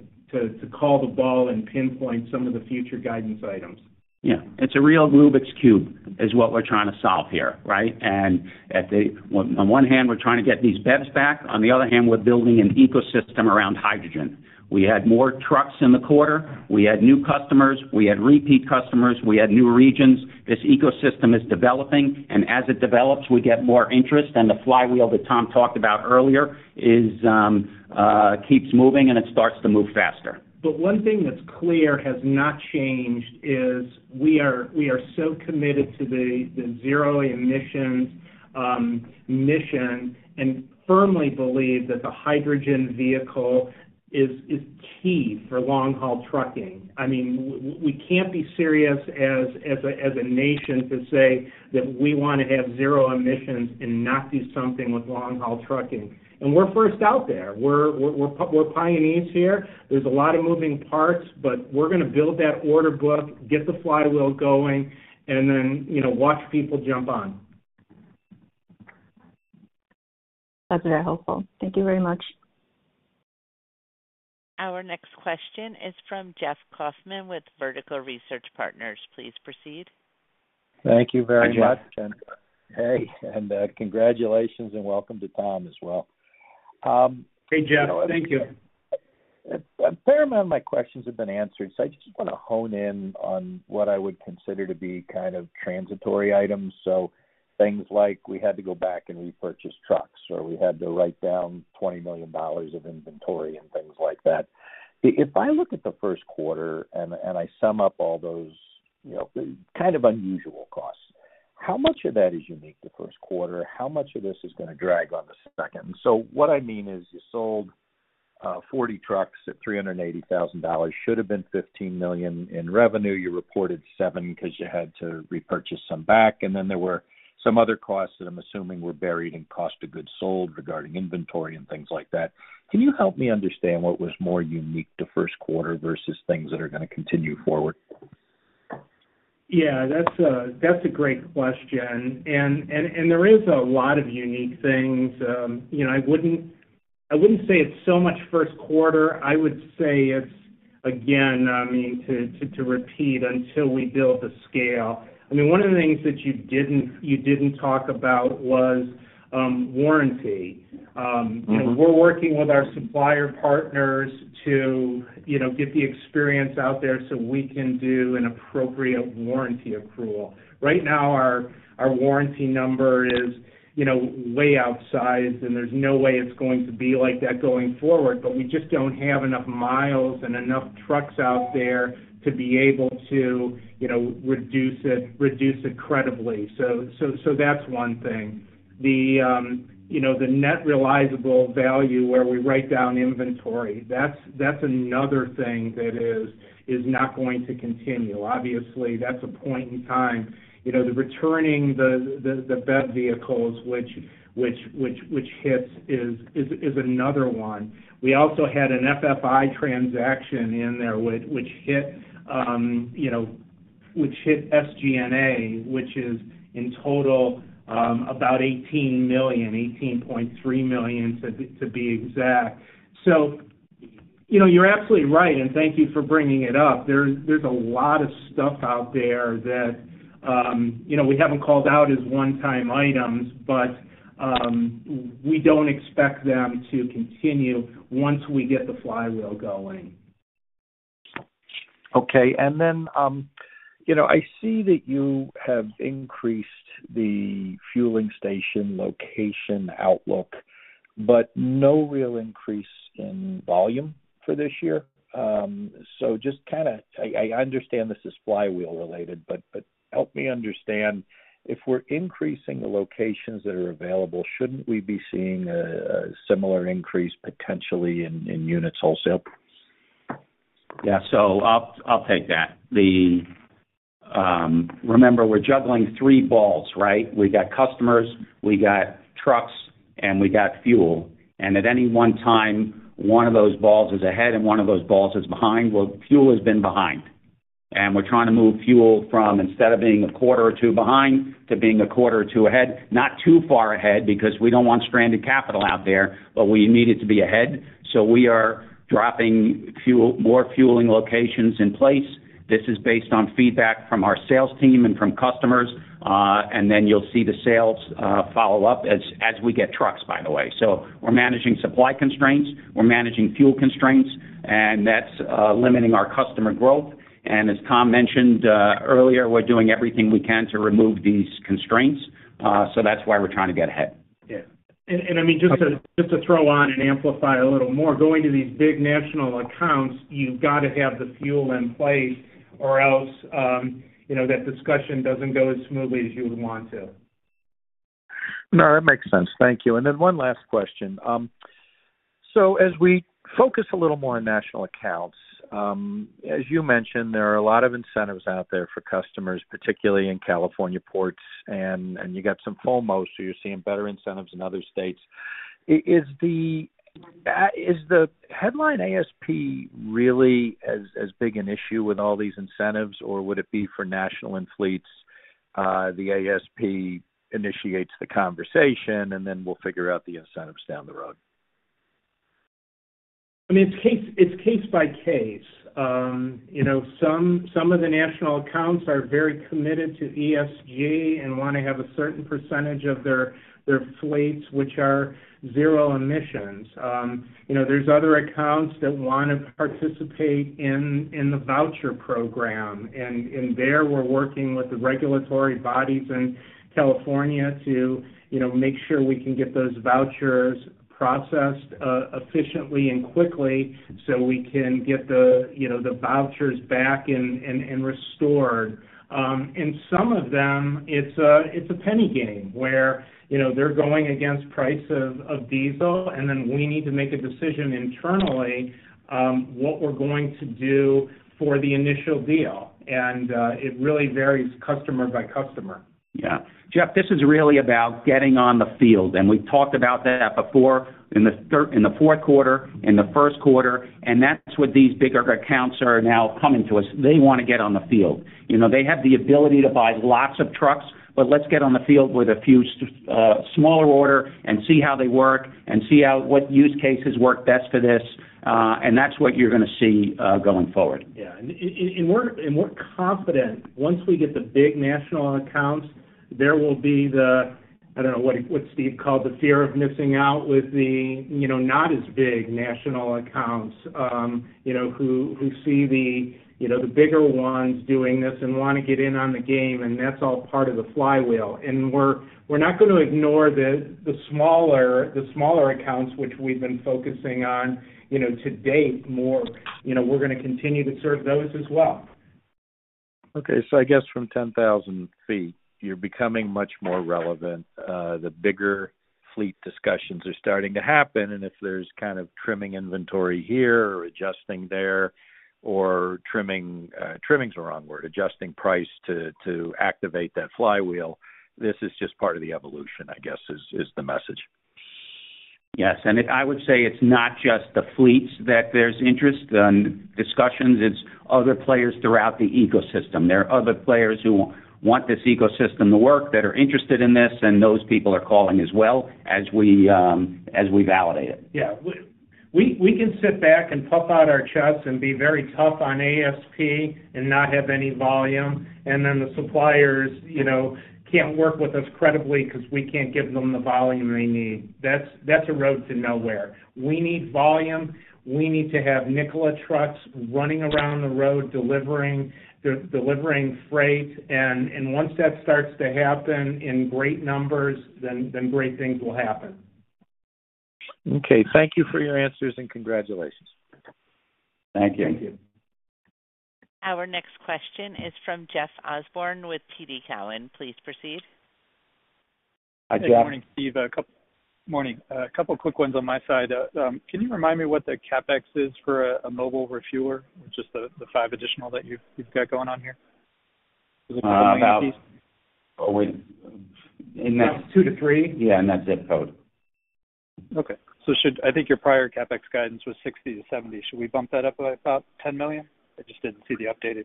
S5: call the ball and pinpoint some of the future guidance items.
S3: Yeah, it's a real Rubik's Cube, is what we're trying to solve here, right? On one hand, we're trying to get these BEVs back, on the other hand, we're building an ecosystem around hydrogen. We had more trucks in the quarter, we had new customers, we had repeat customers, we had new regions. This ecosystem is developing, and as it develops, we get more interest, and the flywheel that Tom talked about earlier is keeps moving, and it starts to move faster.
S5: But one thing that's clear, has not changed, is we are so committed to the zero emissions mission, and firmly believe that the hydrogen vehicle is key for long-haul trucking. I mean, we can't be serious as a nation to say that we wanna have zero emissions and not do something with long-haul trucking. And we're first out there. We're pioneers here. There's a lot of moving parts, but we're gonna build that order book, get the flywheel going, and then, you know, watch people jump on.
S9: That's very helpful. Thank you very much.
S1: Our next question is from Jeff Kauffman with Vertical Research Partners. Please proceed.
S10: Thank you very much.
S3: Hi, Jeff.
S10: Hey, and, congratulations and welcome to Tom as well.
S5: Hey, Jeff. Thank you.
S10: A fair amount of my questions have been answered, so I just wanna hone in on what I would consider to be kind of transitory items. So things like, we had to go back and repurchase trucks, or we had to write down $20 million of inventory and things like that. If I look at the first quarter and I sum up all those, you know, kind of unusual costs, how much of that is unique to first quarter? How much of this is gonna drag on the second? So what I mean is, you sold 40 trucks at $380,000, should have been $15 million in revenue. You reported 7 'cause you had to repurchase some back, and then there were some other costs that I'm assuming were buried in cost of goods sold regarding inventory and things like that. Can you help me understand what was more unique to first quarter versus things that are gonna continue forward?
S5: Yeah, that's a great question, and there is a lot of unique things. You know, I wouldn't say it's so much first quarter. I would say it's, again, I mean, to repeat until we build the scale. I mean, one of the things that you didn't talk about was warranty.
S10: Mm-hmm.
S5: You know, we're working with our supplier partners to, you know, get the experience out there so we can do an appropriate warranty approval. Right now, our warranty number is, you know, way outsized, and there's no way it's going to be like that going forward. But we just don't have enough miles and enough trucks out there to be able to, you know, reduce it credibly. So that's one thing. You know, the net realizable value, where we write down inventory, that's another thing that is not going to continue. Obviously, that's a point in time. You know, the returning the BEV vehicles which hits is another one. We also had an FFI transaction in there, which hit, you know, which hit SG&A, which is in total about $18 million, $18.3 million to be exact. So, you know, you're absolutely right, and thank you for bringing it up. There's a lot of stuff out there that, you know, we haven't called out as one-time items, but we don't expect them to continue once we get the flywheel going.
S10: Okay. And then, you know, I see that you have increased the fueling station location outlook, but no real increase in volume for this year. So just kind of, I understand this is flywheel related, but help me understand, if we're increasing the locations that are available, shouldn't we be seeing a similar increase potentially in units wholesale?
S3: Yeah, so I'll take that. Remember, we're juggling three balls, right? We got customers, we got trucks, and we got fuel, and at any one time, one of those balls is ahead, and one of those balls is behind. Well, fuel has been behind, and we're trying to move fuel from, instead of being a quarter or two behind to being a quarter or two ahead, not too far ahead, because we don't want stranded capital out there, but we need it to be ahead. So we are dropping fuel- more fueling locations in place. This is based on feedback from our sales team and from customers, and then you'll see the sales follow up as we get trucks, by the way. So we're managing supply constraints, we're managing fuel constraints, and that's limiting our customer growth, and as Tom mentioned earlier, we're doing everything we can to remove these constraints, so that's why we're trying to get ahead.
S5: Yeah. I mean, just to throw on and amplify a little more, going to these big national accounts, you've got to have the fuel in place or else, you know, that discussion doesn't go as smoothly as you would want to.
S10: No, that makes sense. Thank you. And then one last question. So as we focus a little more on national accounts, as you mentioned, there are a lot of incentives out there for customers, particularly in California ports, and you got some FOMO, so you're seeing better incentives in other states. Is the headline ASP really as big an issue with all these incentives, or would it be for national and fleets, the ASP initiates the conversation, and then we'll figure out the incentives down the road?
S5: I mean, it's case by case. You know, some of the national accounts are very committed to ESG and want to have a certain percentage of their fleets, which are zero emissions. You know, there's other accounts that want to participate in the voucher program, and there, we're working with the regulatory bodies in California to, you know, make sure we can get those vouchers processed efficiently and quickly, so we can get the, you know, the vouchers back and restored. And some of them, it's a penny game, where, you know, they're going against price of diesel, and then we need to make a decision internally, what we're going to do for the initial deal. It really varies customer by customer.
S3: Yeah. Jeff, this is really about getting on the field, and we've talked about that before in the fourth quarter, in the first quarter, and that's what these bigger accounts are now coming to us. They want to get on the field. You know, they have the ability to buy lots of trucks, but let's get on the field with a few smaller order and see how they work and see how what use cases work best for this, and that's what you're gonna see going forward.
S5: Yeah. And we're confident once we get the big national accounts, there will be the, I don't know what, what Steve called the fear of missing out with the, you know, not as big national accounts, you know, who see the, you know, the bigger ones doing this and want to get in on the game, and that's all part of the flywheel. And we're not going to ignore the smaller accounts, which we've been focusing on, you know, to date more. You know, we're gonna continue to serve those as well.
S10: Okay, so I guess from 10,000 feet, you're becoming much more relevant. The bigger fleet discussions are starting to happen, and if there's kind of trimming inventory here or adjusting there or trimming, trimmings the wrong word, adjusting price to, to activate that flywheel, this is just part of the evolution, I guess, is, is the message.
S3: Yes, and I would say it's not just the fleets that there's interest and discussions, it's other players throughout the ecosystem. There are other players who want this ecosystem to work, that are interested in this, and those people are calling as well as we validate it.
S5: Yeah. We can sit back and puff out our chests and be very tough on ASP and not have any volume, and then the suppliers, you know, can't work with us credibly because we can't give them the volume they need. That's a road to nowhere. We need volume. We need to have Nikola trucks running around the road, delivering freight, and once that starts to happen in great numbers, then great things will happen.
S10: Okay, thank you for your answers, and congratulations.
S3: Thank you.
S5: Thank you.
S1: Our next question is from Jeff Osborne with TD Cowen. Please proceed.
S3: Hi, Jeff.
S11: Good morning, Steve. A couple quick ones on my side. Can you remind me what the CapEx is for a modular fueler, just the five additional that you've got going on here?
S3: Oh, wait. In that-
S5: 2 to 3.
S3: Yeah, in that zip code.
S11: Okay, so I think your prior CapEx guidance was $60 million-$70 million. Should we bump that up by about $10 million? I just didn't see the updated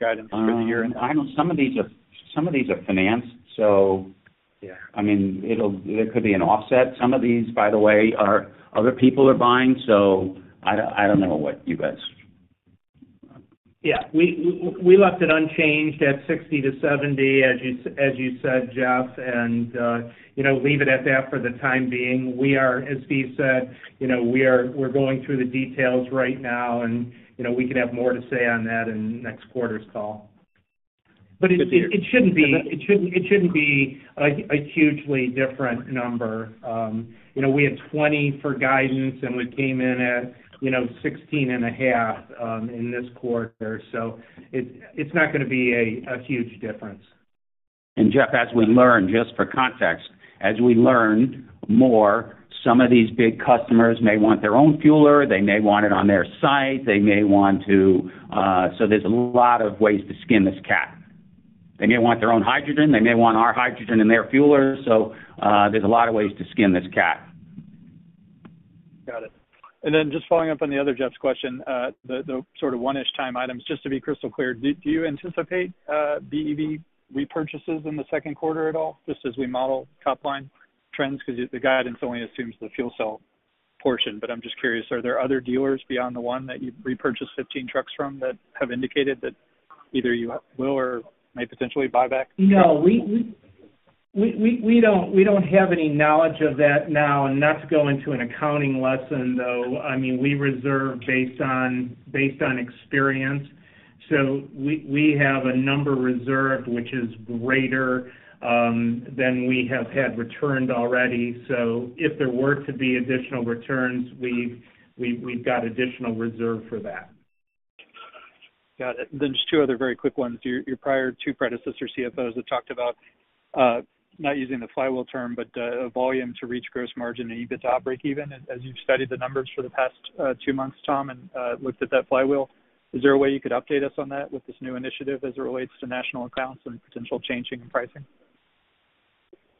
S11: guidance for the year.
S3: I know some of these are, some of these are financed, so-
S5: Yeah...
S3: I mean, it'll, there could be an offset. Some of these, by the way, are, other people are buying, so I don't, I don't know what you guys.
S5: Yeah, we left it unchanged at 60-70, as you said, Jeff, and, you know, leave it at that for the time being. We are, as Steve said, you know, we're going through the details right now, and, you know, we can have more to say on that in next quarter's call. But it shouldn't be a hugely different number. You know, we had 20 for guidance, and we came in at 16.5 in this quarter. So it's not gonna be a huge difference.
S3: Jeff, as we learn, just for context, as we learn more, some of these big customers may want their own fueler, they may want it on their site, they may want to. So there's a lot of ways to skin this cat. They may want their own hydrogen, they may want our hydrogen in their fueler. So, there's a lot of ways to skin this cat.
S11: Got it. And then just following up on the other Jeff's question, the, the sort of one-ish time items, just to be crystal clear, do you anticipate BEV repurchases in the second quarter at all, just as we model top line trends? Because the guidance only assumes the fuel cell portion, but I'm just curious, are there other dealers beyond the one that you repurchased 15 trucks from that have indicated that either you will or may potentially buy back?
S5: No, we don't have any knowledge of that now. And not to go into an accounting lesson, though, I mean, we reserve based on experience. So we have a number reserved, which is greater than we have had returned already. So if there were to be additional returns, we've got additional reserve for that.
S11: Got it. Then just two other very quick ones. Your, your prior two predecessor CFOs have talked about not using the flywheel term, but volume to reach gross margin and EBITDA breakeven. As, as you've studied the numbers for the past two months, Tom, and looked at that flywheel, is there a way you could update us on that with this new initiative as it relates to national accounts and potential changing in pricing?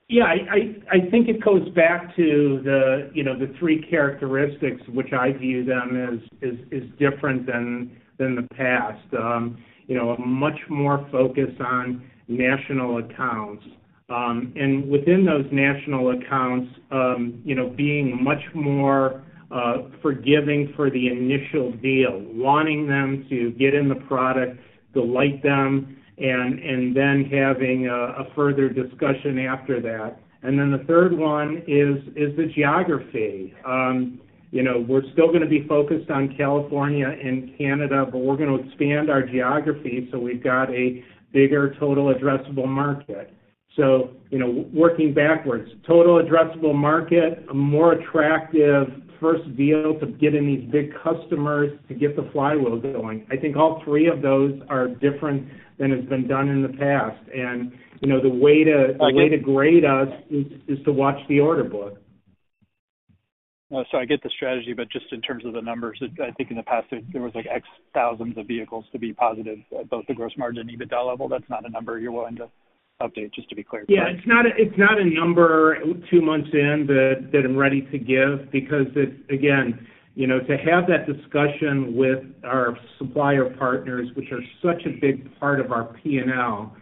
S5: Yeah, I think it goes back to the, you know, the three characteristics which I view them as, is different than the past. You know, a much more focus on national accounts. And within those national accounts, you know, being much more forgiving for the initial deal, wanting them to get in the product, delight them, and then having a further discussion after that. And then the third one is the geography. You know, we're still gonna be focused on California and Canada, but we're gonna expand our geography, so we've got a bigger total addressable market. So, you know, working backwards, total addressable market, a more attractive first deal to get in these big customers to get the flywheel going. I think all three of those are different than has been done in the past. You know, the way to grade us is to watch the order book.
S11: So, I get the strategy, but just in terms of the numbers, I think in the past, there was like X thousands of vehicles to be positive at both the gross margin and EBITDA level. That's not a number you're willing to update, just to be clear?
S5: Yeah, it's not a number two months in that I'm ready to give because it's, again, you know, to have that discussion with our supplier partners, which are such a big part of our P&L,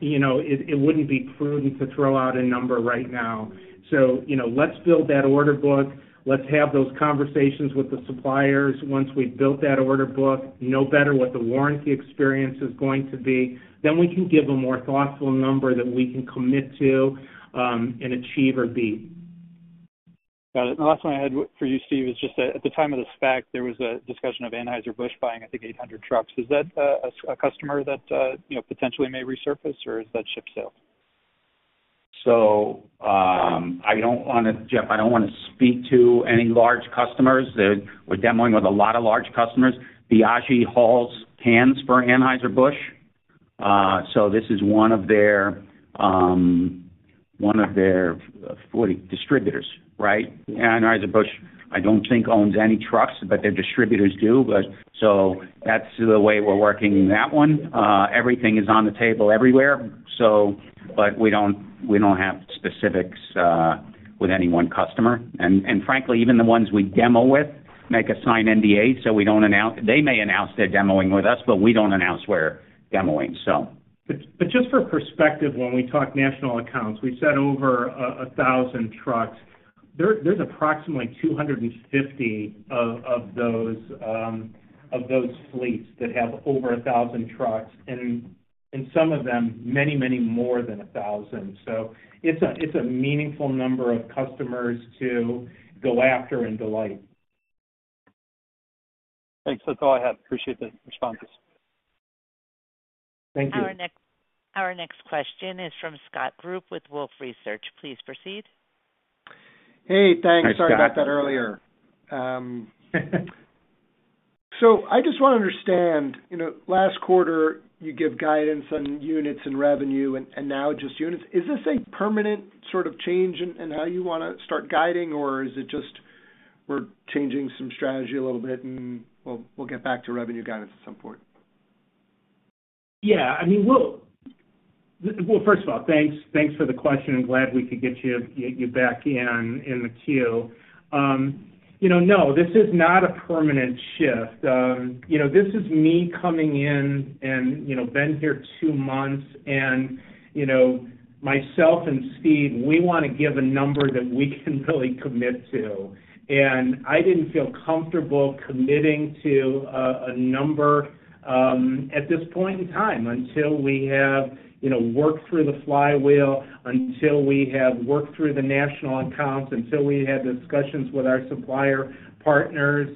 S5: you know, it wouldn't be prudent to throw out a number right now. So, you know, let's build that order book. Let's have those conversations with the suppliers. Once we've built that order book, know better what the warranty experience is going to be, then we can give a more thoughtful number that we can commit to, and achieve or beat.
S11: Got it. And the last one I had for you, Steve, is just that at the time of the SPAC, there was a discussion of Anheuser-Busch buying, I think, 800 trucks. Is that a customer that you know, potentially may resurface, or is that ship sailed?
S3: So, I don't wanna... Jeff, I don't wanna speak to any large customers. They- we're demoing with a lot of large customers. Biagi Bros, cans for Anheuser-Busch, so this is one of their, one of their 40 distributors, right? Anheuser-Busch, I don't think owns any trucks, but their distributors do. But so that's the way we're working that one. Everything is on the table everywhere, so, but we don't, we don't have specifics, with any one customer. And, and frankly, even the ones we demo with make us sign NDAs, so we don't announce. They may announce they're demoing with us, but we don't announce we're demoing, so.
S5: But just for perspective, when we talk national accounts, we've said over 1,000 trucks. There's approximately 250 of those fleets that have over 1,000 trucks, and in some of them, many, many more than 1,000. So it's a meaningful number of customers to go after and delight.
S11: Thanks. That's all I have. Appreciate the responses.
S5: Thank you.
S1: Our next question is from Scott Group with Wolfe Research. Please proceed.
S12: Hey, thanks.
S3: Hi, Scott.
S12: Sorry about that earlier. So I just want to understand, you know, last quarter, you gave guidance on units and revenue, and, and now just units. Is this a permanent sort of change in, in how you wanna start guiding, or is it just we're changing some strategy a little bit, and we'll, we'll get back to revenue guidance at some point?
S5: Yeah, I mean, well, first of all, thanks, thanks for the question, and glad we could get you, get you back in, in the queue. You know, no, this is not a permanent shift. You know, this is me coming in and, you know, been here two months, and, you know, myself and Steve, we wanna give a number that we can really commit to. And I didn't feel comfortable committing to a number at this point in time until we have, you know, worked through the flywheel, until we have worked through the national accounts, until we have discussions with our supplier partners.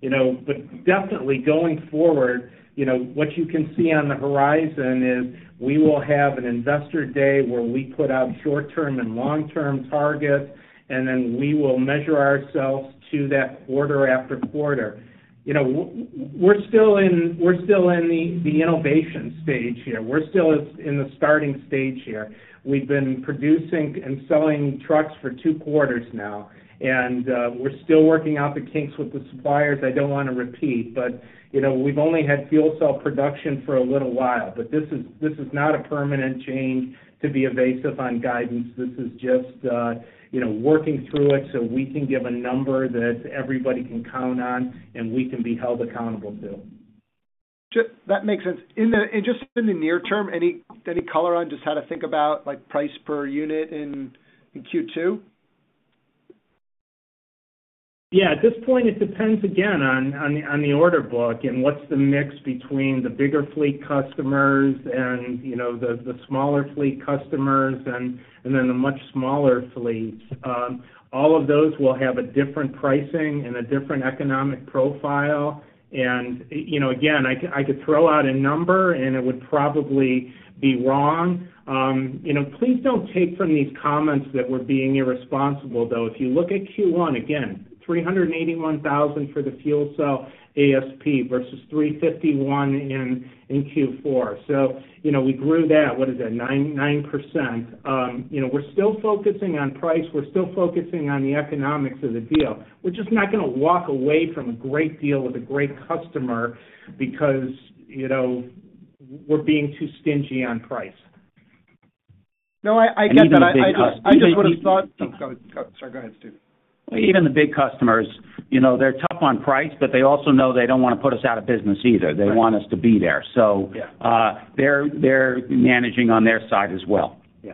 S5: You know, but definitely going forward, you know, what you can see on the horizon is we will have an investor day where we put out short-term and long-term targets, and then we will measure ourselves to that quarter after quarter. You know, we're still in the innovation stage here. We're still in the starting stage here. We've been producing and selling trucks for two quarters now, and, we're still working out the kinks with the suppliers. I don't wanna repeat, but, you know, we've only had fuel cell production for a little while. But this is, this is not a permanent change to be evasive on guidance. This is just, you know, working through it so we can give a number that everybody can count on, and we can be held accountable to.
S12: That makes sense. Just in the near term, any color on just how to think about, like, price per unit in Q2?
S5: Yeah, at this point, it depends again on the order book and what's the mix between the bigger fleet customers and, you know, the smaller fleet customers and then the much smaller fleets. All of those will have a different pricing and a different economic profile. And, you know, again, I could throw out a number, and it would probably be wrong. You know, please don't take from these comments that we're being irresponsible, though. If you look at Q1, again, $381,000 for the fuel cell ASP versus $351,000 in Q4. So, you know, we grew that, what is it? 99%. You know, we're still focusing on price. We're still focusing on the economics of the deal. We're just not gonna walk away from a great deal with a great customer because, you know, we're being too stingy on price.
S12: No, I get that.
S3: Even the big customers-
S12: I just would have thought... Oh, go, sorry, go ahead, Steve.
S3: Even the big customers, you know, they're tough on price, but they also know they don't wanna put us out of business either.
S12: Right.
S3: They want us to be there.
S12: Yeah.
S3: They're managing on their side as well.
S12: Yeah.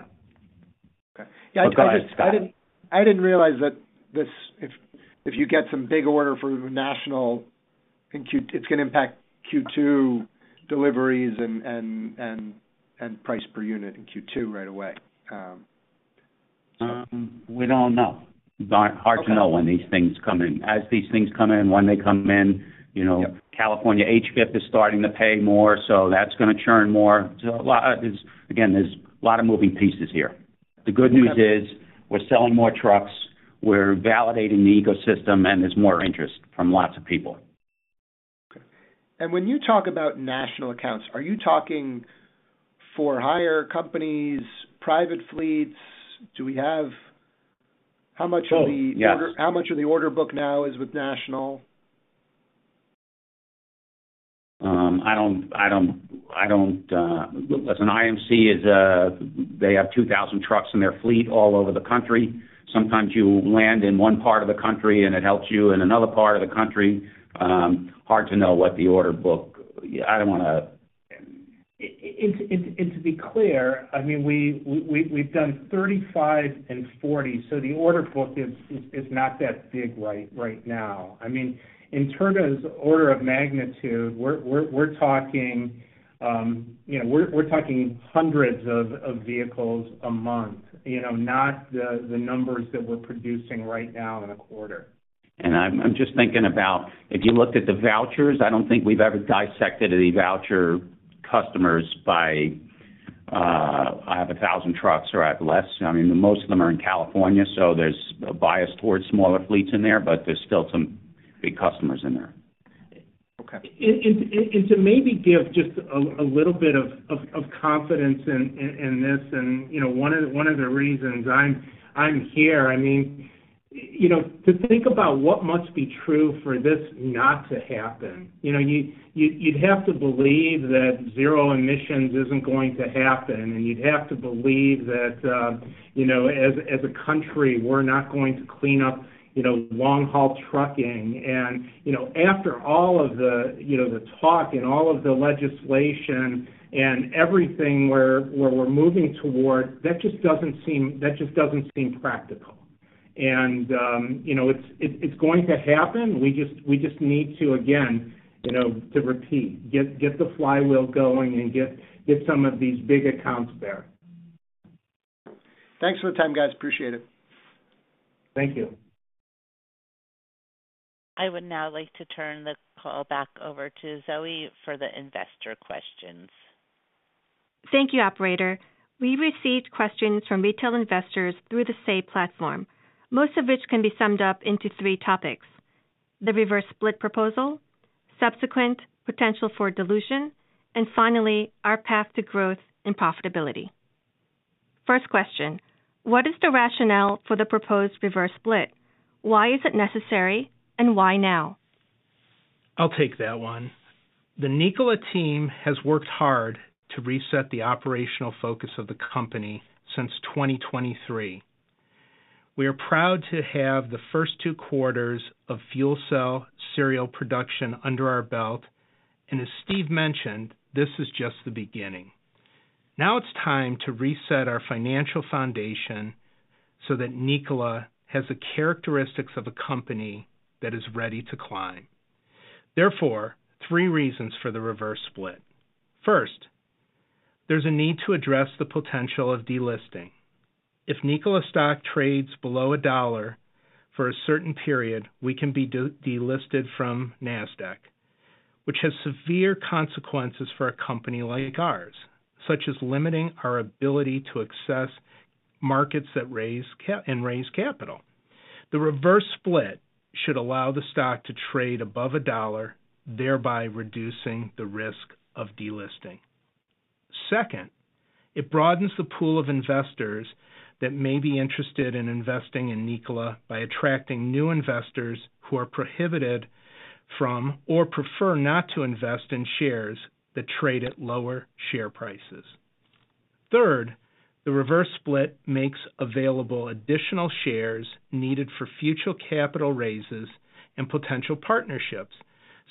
S12: Okay.
S3: Yeah, go ahead, Scott.
S12: I didn't realize that this, if you get some big order from national in Q-- it's gonna impact Q2 deliveries and price per unit in Q2 right away.
S3: We don't know.
S12: Okay.
S3: Hard to know when these things come in. As these things come in, when they come in, you know-
S12: Yep.
S3: California HVIP is starting to pay more, so that's gonna churn more. There's, again, there's a lot of moving pieces here.
S12: Okay.
S3: The good news is, we're selling more trucks, we're validating the ecosystem, and there's more interest from lots of people.
S12: Okay. When you talk about national accounts, are you talking for hire companies, private fleets? Do we have... How much of the-
S3: Oh, yes.
S12: How much of the order book now is with national?
S3: As IMC is, they have 2,000 trucks in their fleet all over the country. Sometimes you land in one part of the country and it helps you in another part of the country. Hard to know what the order book... I don't wanna-
S5: And to be clear, I mean, we've done 35 and 40, so the order book is not that big right now. I mean, in terms of order of magnitude, we're talking, you know, we're talking hundreds of vehicles a month, you know, not the numbers that we're producing right now in a quarter.
S3: And I'm just thinking about if you looked at the vouchers. I don't think we've ever dissected any voucher customers by, I have 1,000 trucks, or I have less. I mean, most of them are in California, so there's a bias towards smaller fleets in there, but there's still some big customers in there.
S12: Okay.
S5: To maybe give just a little bit of confidence in this, and, you know, one of the reasons I'm here, I mean, you know, to think about what must be true for this not to happen, you know, you'd have to believe that zero emissions isn't going to happen, and you'd have to believe that, you know, as a country, we're not going to clean up, you know, long-haul trucking. And, you know, after all of the, you know, the talk and all of the legislation and everything, where we're moving toward, that just doesn't seem, that just doesn't seem practical. And, you know, it's going to happen. We just need to, again, you know, to repeat, get the flywheel going and get some of these big accounts there.
S12: Thanks for the time, guys. Appreciate it.
S5: Thank you.
S1: I would now like to turn the call back over to Zoe for the investor questions.
S2: Thank you, operator. We received questions from retail investors through the SAY platform, most of which can be summed up into three topics: the reverse split proposal, subsequent potential for dilution, and finally, our path to growth and profitability. First question: What is the rationale for the proposed reverse split? Why is it necessary, and why now?...
S5: I'll take that one. The Nikola team has worked hard to reset the operational focus of the company since 2023. We are proud to have the first two quarters of fuel cell serial production under our belt, and as Steve mentioned, this is just the beginning. Now it's time to reset our financial foundation so that Nikola has the characteristics of a company that is ready to climb. Therefore, three reasons for the reverse split. First, there's a need to address the potential of delisting. If Nikola stock trades below $1 for a certain period, we can be delisted from Nasdaq, which has severe consequences for a company like ours, such as limiting our ability to access markets that raise capital. The reverse split should allow the stock to trade above $1, thereby reducing the risk of delisting. Second, it broadens the pool of investors that may be interested in investing in Nikola by attracting new investors who are prohibited from or prefer not to invest in shares that trade at lower share prices. Third, the reverse split makes available additional shares needed for future capital raises and potential partnerships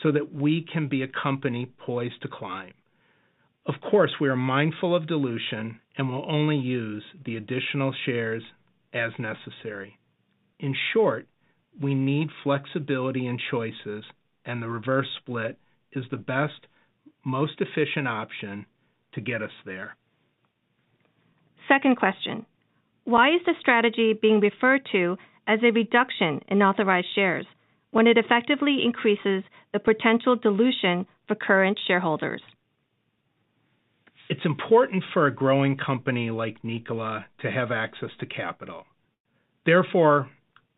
S5: so that we can be a company poised to climb. Of course, we are mindful of dilution and will only use the additional shares as necessary. In short, we need flexibility and choices, and the reverse split is the best, most efficient option to get us there.
S2: Second question: Why is the strategy being referred to as a reduction in authorized shares when it effectively increases the potential dilution for current shareholders?
S5: It's important for a growing company like Nikola to have access to capital. Therefore,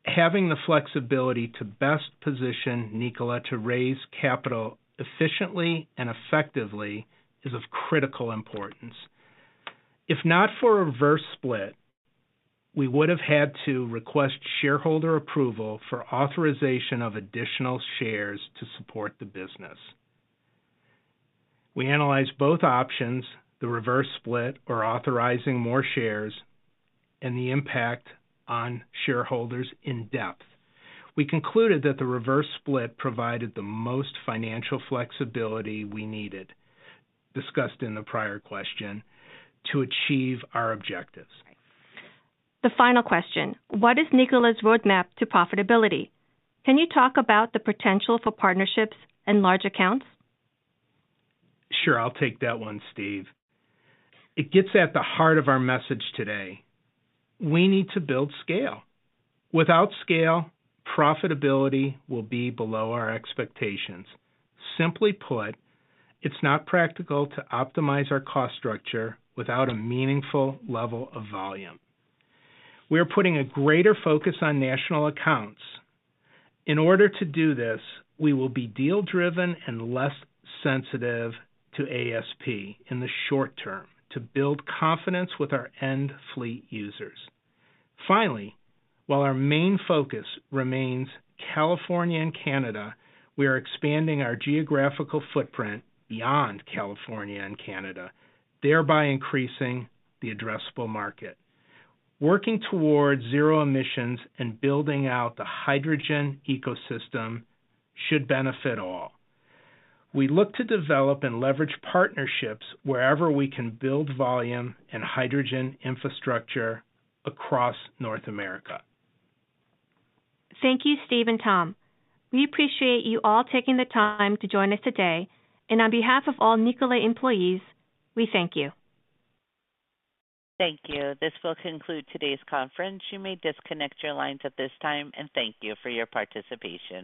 S5: having the flexibility to best position Nikola to raise capital efficiently and effectively is of critical importance. If not for a reverse split, we would have had to request shareholder approval for authorization of additional shares to support the business. We analyzed both options, the reverse split or authorizing more shares, and the impact on shareholders in depth. We concluded that the reverse split provided the most financial flexibility we needed, discussed in the prior question, to achieve our objectives.
S2: The final question: What is Nikola's roadmap to profitability? Can you talk about the potential for partnerships and large accounts?
S5: Sure, I'll take that one, Steve. It gets at the heart of our message today. We need to build scale. Without scale, profitability will be below our expectations. Simply put, it's not practical to optimize our cost structure without a meaningful level of volume. We are putting a greater focus on national accounts. In order to do this, we will be deal-driven and less sensitive to ASP in the short term to build confidence with our end fleet users. Finally, while our main focus remains California and Canada, we are expanding our geographical footprint beyond California and Canada, thereby increasing the addressable market. Working towards zero emissions and building out the hydrogen ecosystem should benefit all. We look to develop and leverage partnerships wherever we can build volume and hydrogen infrastructure across North America.
S2: Thank you, Steve and Tom. We appreciate you all taking the time to join us today, and on behalf of all Nikola employees, we thank you.
S1: Thank you. This will conclude today's conference. You may disconnect your lines at this time, and thank you for your participation.